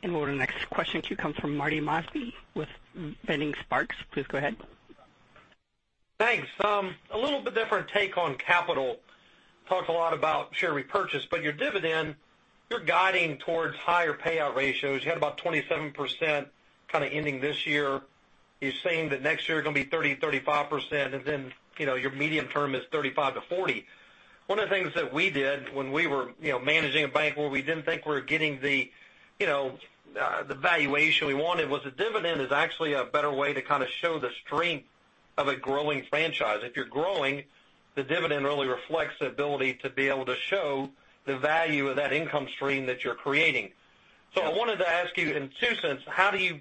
We'll go to the next question queue. Comes from Marty Mosby with Vining Sparks. Please go ahead. Thanks. A little bit different take on capital. Talked a lot about share repurchase. Your dividend, you're guiding towards higher payout ratios. You had about 27% kind of ending this year. You're saying that next year going to be 30%-35%, your medium term is 35%-40%. One of the things that we did when we were managing a bank where we didn't think we were getting the valuation we wanted, was the dividend is actually a better way to kind of show the strength of a growing franchise. If you're growing, the dividend really reflects the ability to be able to show the value of that income stream that you're creating. Yeah. I wanted to ask you in two cents, how do you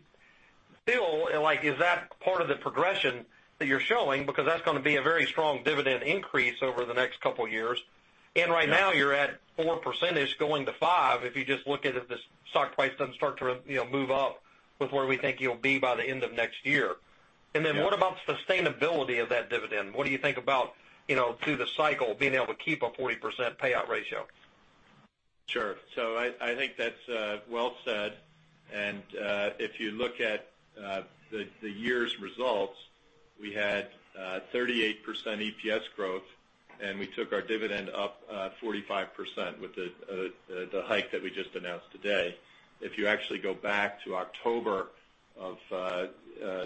feel, like is that part of the progression that you're showing? That's going to be a very strong dividend increase over the next couple of years. Yeah. Right now you're at 4% going to 5%, if you just look at if the stock price doesn't start to move up with where we think you'll be by the end of next year. Yeah. What about sustainability of that dividend? What do you think about through the cycle being able to keep a 40% payout ratio? Sure. I think that's well said. If you look at the year's results, we had 38% EPS growth. And we took our dividend up 45% with the hike that we just announced today. If you actually go back to October of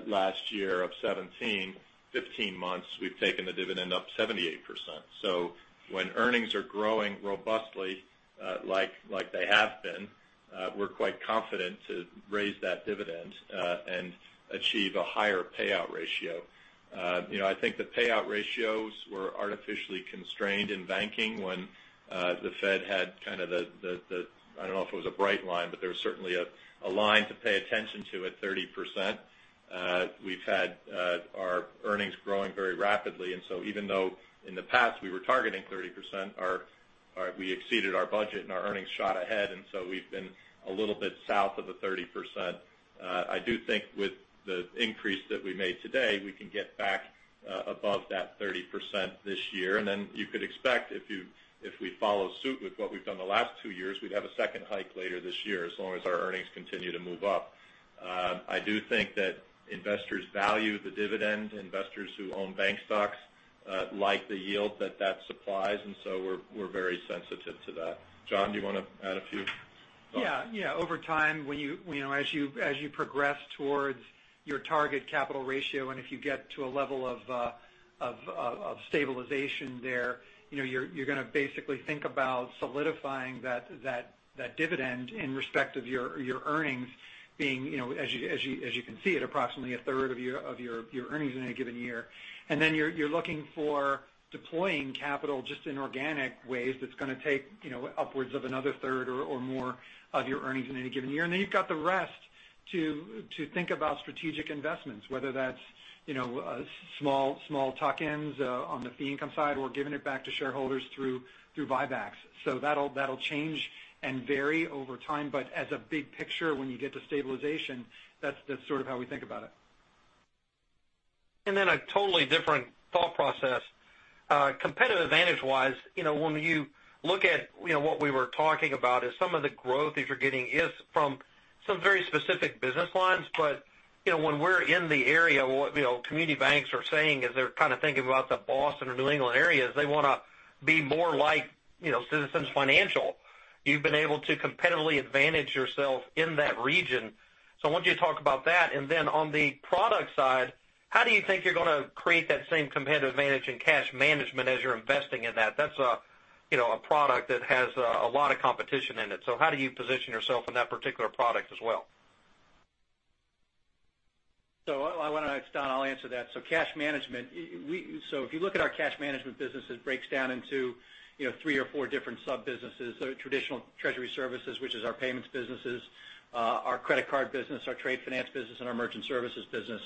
last year, of 2017, 15 months, we've taken the dividend up 78%. When earnings are growing robustly like they have been, we're quite confident to raise that dividend and achieve a higher payout ratio. I think the payout ratios were artificially constrained in banking when the Fed had the I don't know if it was a bright line, but there was certainly a line to pay attention to at 30%. We've had our earnings growing very rapidly, even though in the past we were targeting 30%, we exceeded our budget and our earnings shot ahead, we've been a little bit south of the 30%. I do think with the increase that we made today, we can get back above that 30% this year. You could expect, if we follow suit with what we've done the last two years, we'd have a second hike later this year, as long as our earnings continue to move up. I do think that investors value the dividend. Investors who own bank stocks like the yield that that supplies, we're very sensitive to that. John, do you want to add a few thoughts? Yeah. Over time, as you progress towards your target capital ratio, if you get to a level of stabilization there, you're going to basically think about solidifying that dividend in respect of your earnings being, as you can see it, approximately a third of your earnings in any given year. You're looking for deploying capital just in organic ways that's going to take upwards of another third or more of your earnings in any given year. You've got the rest to think about strategic investments, whether that's small tuck-ins on the fee income side, or giving it back to shareholders through buybacks. That'll change and vary over time. As a big picture, when you get to stabilization, that's how we think about it. A totally different thought process. Competitive advantage-wise, when you look at what we were talking about is some of the growth that you're getting is from some very specific business lines. When we're in the area, what community banks are saying is they're kind of thinking about the Boston or New England areas. They want to be more like Citizens Financial. You've been able to competitively advantage yourself in that region. I want you to talk about that. On the product side, how do you think you're going to create that same competitive advantage in cash management as you're investing in that? That's a product that has a lot of competition in it. How do you position yourself in that particular product as well? It's Don, I'll answer that. Cash management. If you look at our cash management business, it breaks down into three or four different sub-businesses. Traditional treasury services, which is our payments businesses, our credit card business, our trade finance business, and our merchant services business.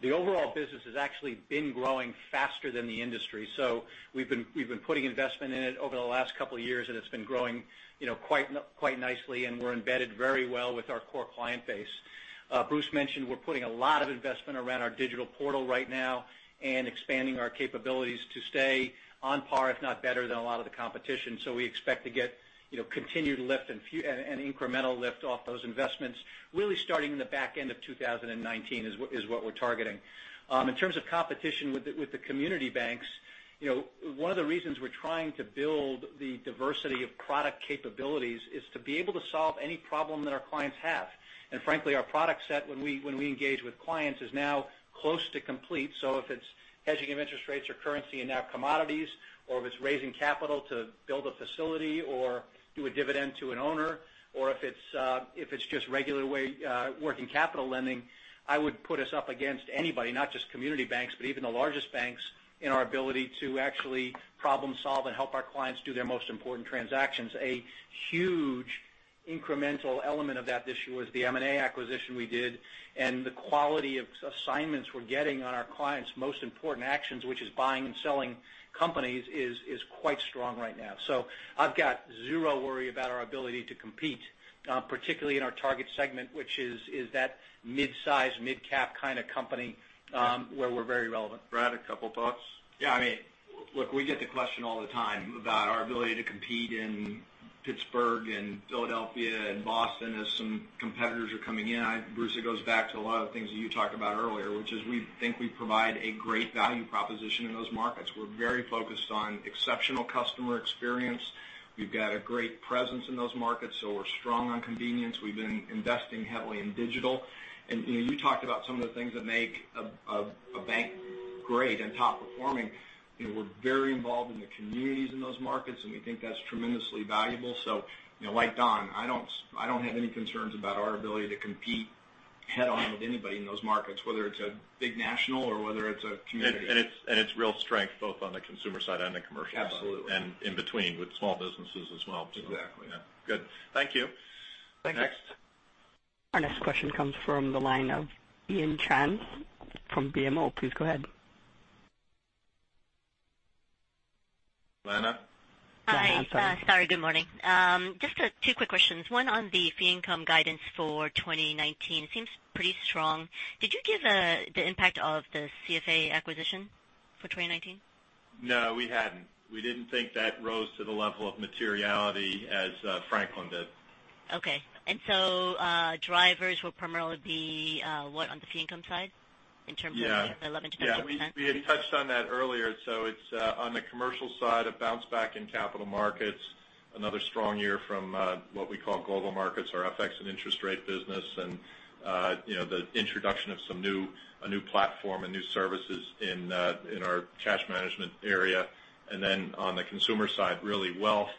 The overall business has actually been growing faster than the industry. We've been putting investment in it over the last couple of years, and it's been growing quite nicely, and we're embedded very well with our core client base. Bruce mentioned we're putting a lot of investment around our digital portal right now and expanding our capabilities to stay on par, if not better than a lot of the competition. We expect to get continued lift and incremental lift off those investments, really starting in the back end of 2019 is what we're targeting. In terms of competition with the community banks, one of the reasons we're trying to build the diversity of product capabilities is to be able to solve any problem that our clients have. Frankly, our product set when we engage with clients is now close to complete. If it's hedging of interest rates or currency and now commodities, or if it's raising capital to build a facility or do a dividend to an owner, or if it's just regular working capital lending, I would put us up against anybody, not just community banks, but even the largest banks, in our ability to actually problem solve and help our clients do their most important transactions. A huge incremental element of that this year was the M&A acquisition we did, and the quality of assignments we're getting on our clients' most important actions, which is buying and selling companies, is quite strong right now. I've got zero worry about our ability to compete, particularly in our target segment, which is that mid-size, mid-cap kind of company where we're very relevant. Brad, a couple thoughts? Yeah. Look, we get the question all the time about our ability to compete in Pittsburgh and Philadelphia and Boston as some competitors are coming in. Bruce, it goes back to a lot of the things that you talked about earlier, which is we think we provide a great value proposition in those markets. We're very focused on exceptional customer experience. We've got a great presence in those markets, so we're strong on convenience. We've been investing heavily in digital. You talked about some of the things that make a bank great and top performing. We're very involved in the communities in those markets, and we think that's tremendously valuable. Like Don, I don't have any concerns about our ability to compete head-on with anybody in those markets, whether it's a big national or whether it's a community. It's real strength both on the consumer side and the commercial side. Absolutely. In between with small businesses as well. Exactly. Good. Thank you. Thanks. Next. Our next question comes from the line of Lana Chan from BMO. Please go ahead. Lena? Hi. Yeah, hi. Sorry, good morning. Just two quick questions. One on the fee income guidance for 2019. Seems pretty strong. Did you give the impact of the Clarfeld acquisition for 2019? No, we hadn't. We didn't think that rose to the level of materiality as Franklin did. Okay. Drivers will primarily be what on the fee income side in terms of- Yeah. ...the 11%-12%? Yeah. We had touched on that earlier. It's on the commercial side, a bounce back in capital markets, another strong year from what we call global markets, our FX and interest rate business, and the introduction of a new platform and new services in our cash management area. On the consumer side, really wealth,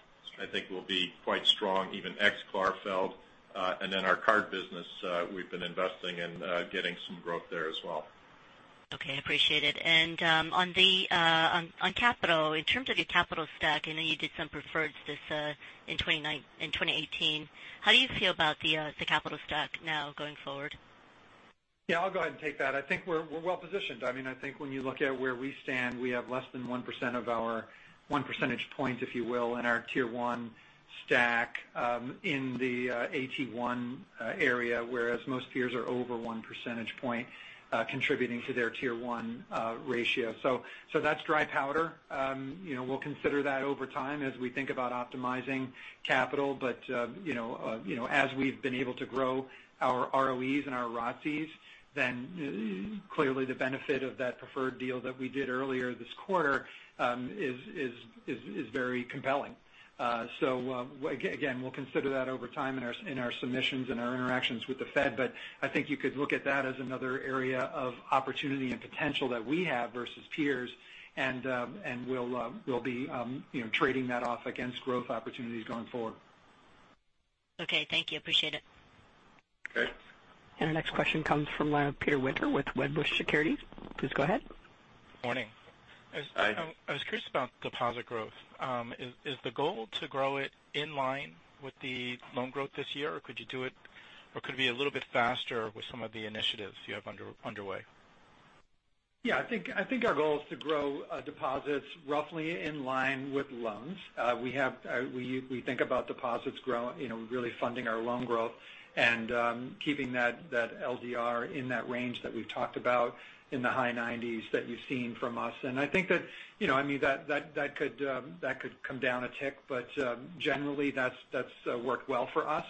I think will be quite strong, even ex-Clarfeld. Our card business, we've been investing in getting some growth there as well. Okay, appreciate it. On capital, in terms of your capital stack, I know you did some preferreds in 2018. How do you feel about the capital stack now going forward? Yeah, I'll go ahead and take that. I think we're well-positioned. I think when you look at where we stand, we have less than 1% of our one percentage point, if you will, in our Tier 1 stack in the AT1 area, whereas most peers are over one percentage point contributing to their Tier 1 ratio. That's dry powder. We'll consider that over time as we think about optimizing capital. As we've been able to grow our ROEs and our ROTEs, then clearly the benefit of that preferred deal that we did earlier this quarter is very compelling. Again, we'll consider that over time in our submissions and our interactions with the Fed. I think you could look at that as another area of opportunity and potential that we have versus peers, and we'll be trading that off against growth opportunities going forward. Okay, thank you. Appreciate it. Okay. Our next question comes from Peter Winter with Wedbush Securities. Please go ahead. Morning. Hi. I was curious about deposit growth. Is the goal to grow it in line with the loan growth this year, or could it be a little bit faster with some of the initiatives you have underway? I think our goal is to grow deposits roughly in line with loans. We think about deposits growing, really funding our loan growth and keeping that LDR in that range that we've talked about in the high 90s that you've seen from us. I think that could come down a tick, generally that's worked well for us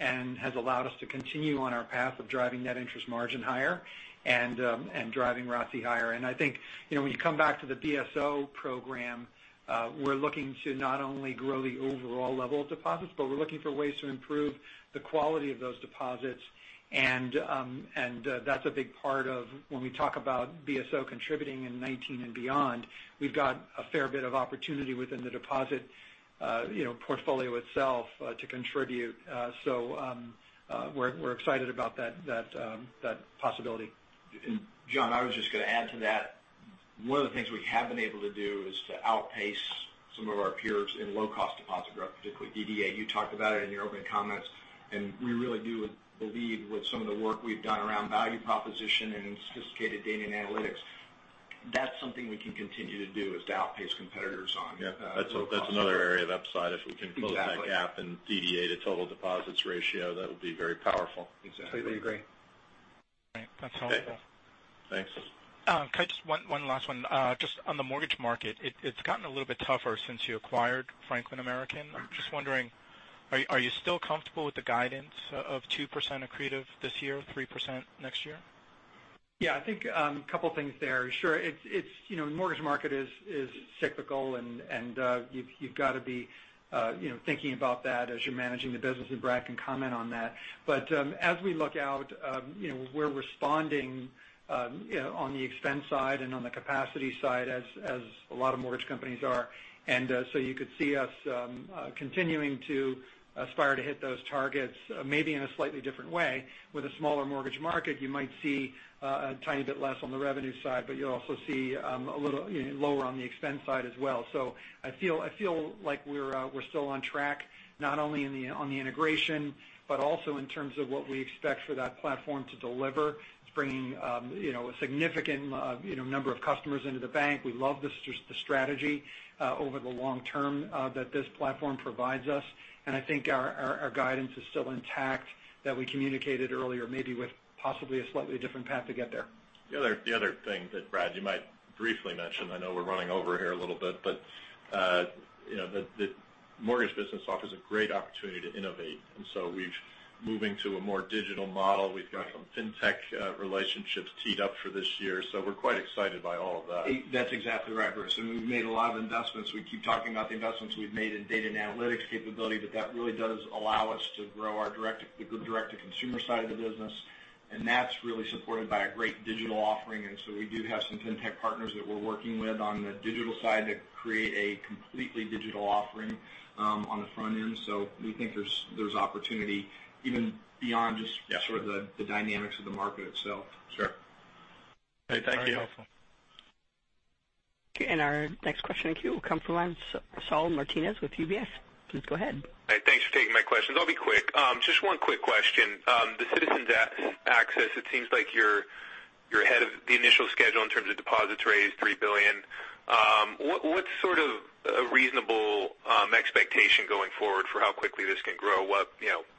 and has allowed us to continue on our path of driving net interest margin higher and driving ROTCE higher. I think when you come back to the BSO program, we're looking to not only grow the overall level of deposits, but we're looking for ways to improve the quality of those deposits. That's a big part of when we talk about BSO contributing in 2019 and beyond. We've got a fair bit of opportunity within the deposit portfolio itself to contribute. We're excited about that possibility. John, I was just going to add to that. One of the things we have been able to do is to outpace some of our peers in low-cost deposit growth, particularly DDA. You talked about it in your opening comments, we really do believe with some of the work we've done around value proposition and in sophisticated data and analytics, that's something we can continue to do is to outpace competitors on. Yeah. That's another area of upside if we can close that gap in DDA to total deposits ratio, that would be very powerful. Exactly. Completely agree. Right. That's helpful. Thanks. One last one. Just on the mortgage market, it's gotten a little bit tougher since you acquired Franklin American. I'm just wondering, are you still comfortable with the guidance of 2% accretive this year, 3% next year? Yeah, I think a couple things there. Sure. The mortgage market is cyclical, and you've got to be thinking about that as you're managing the business, and Brad can comment on that. As we look out, we're responding on the expense side and on the capacity side as a lot of mortgage companies are. You could see us continuing to aspire to hit those targets, maybe in a slightly different way. With a smaller mortgage market, you might see a tiny bit less on the revenue side, but you'll also see a little lower on the expense side as well. I feel like we're still on track, not only on the integration, but also in terms of what we expect for that platform to deliver. It's bringing a significant number of customers into the bank. We love the strategy over the long term that this platform provides us. I think our guidance is still intact that we communicated earlier, maybe with possibly a slightly different path to get there. The other thing that Brad, you might briefly mention, I know we're running over here a little bit. The mortgage business offers a great opportunity to innovate. We're moving to a more digital model. We've got some fintech relationships teed up for this year. We're quite excited by all of that. That's exactly right, Bruce. We've made a lot of investments. We keep talking about the investments we've made in data and analytics capability. That really does allow us to grow the direct-to-consumer side of the business. That's really supported by a great digital offering. We do have some fintech partners that we're working with on the digital side to create a completely digital offering on the front end. We think there's opportunity even beyond just- Yeah. The dynamics of the market itself. Sure. Okay. Thank you. Very helpful. Okay, our next question in queue will come from Saul Martinez with UBS. Please go ahead. Hi. Thanks for taking my questions. I'll be quick. Just one quick question. The Citizens Access, it seems like you're ahead of the initial schedule in terms of deposits raised, $3 billion. What's a reasonable expectation going forward for how quickly this can grow up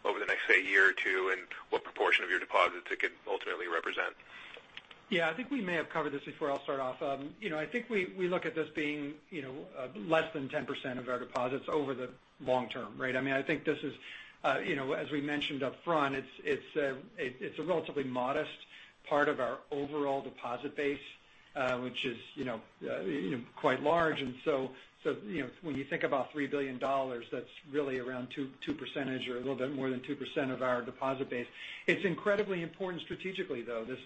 over the next, say, year or two, and what proportion of your deposits it could ultimately represent? Yeah, I think we may have covered this before. I'll start off. I think we look at this being less than 10% of our deposits over the long term, right? I think this is, as we mentioned up front, it's a relatively modest part of our overall deposit base, which is quite large. When you think about $3 billion, that's really around 2% or a little bit more than 2% of our deposit base. It's incredibly important strategically, though. This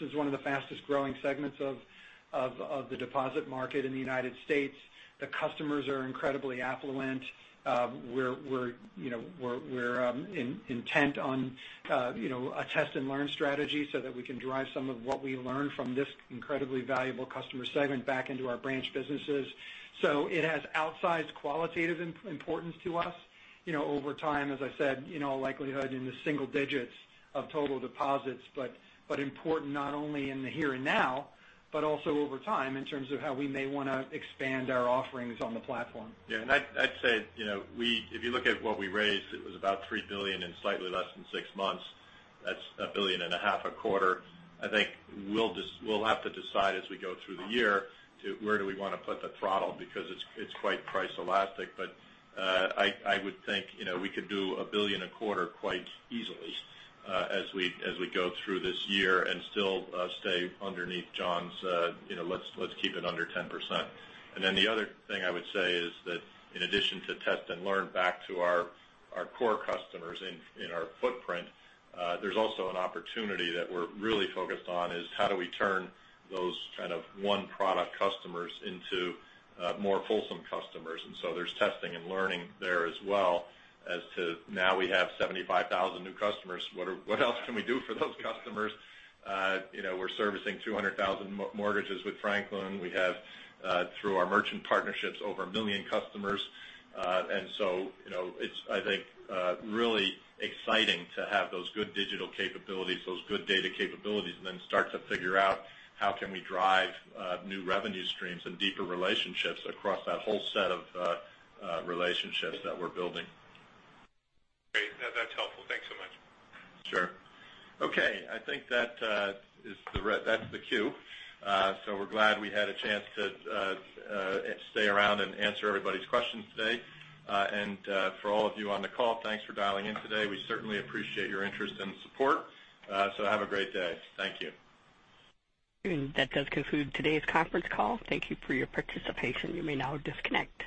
is one of the fastest-growing segments of the deposit market in the United States. The customers are incredibly affluent. We're intent on a test-and-learn strategy so that we can derive some of what we learn from this incredibly valuable customer segment back into our branch businesses. it has outsized qualitative importance to us over time, as I said, in all likelihood, in the single digits of total deposits, but important not only in the here and now, but also over time in terms of how we may want to expand our offerings on the platform. I'd say, if you look at what we raised, it was about $3 billion in slightly less than six months. That's a billion and a half a quarter. I think we'll have to decide as we go through the year to where do we want to put the throttle because it's quite price elastic. I would think we could do $1 billion a quarter quite easily as we go through this year and still stay underneath John's, let's keep it under 10%. The other thing I would say is that in addition to test and learn back to our core customers in our footprint, there's also an opportunity that we're really focused on is how do we turn those kind of one-product customers into more fulsome customers. There's testing and learning there as well as to now we have 75,000 new customers. What else can we do for those customers? We're servicing 200,000 mortgages with Franklin. We have, through our merchant partnerships, over 1 million customers. It's, I think, really exciting to have those good digital capabilities, those good data capabilities, and then start to figure out how can we drive new revenue streams and deeper relationships across that whole set of relationships that we're building. Great. That's helpful. Thanks so much. Sure. Okay, I think that's the cue. We're glad we had a chance to stay around and answer everybody's questions today. For all of you on the call, thanks for dialing in today. We certainly appreciate your interest and support. Have a great day. Thank you. That does conclude today's conference call. Thank you for your participation. You may now disconnect.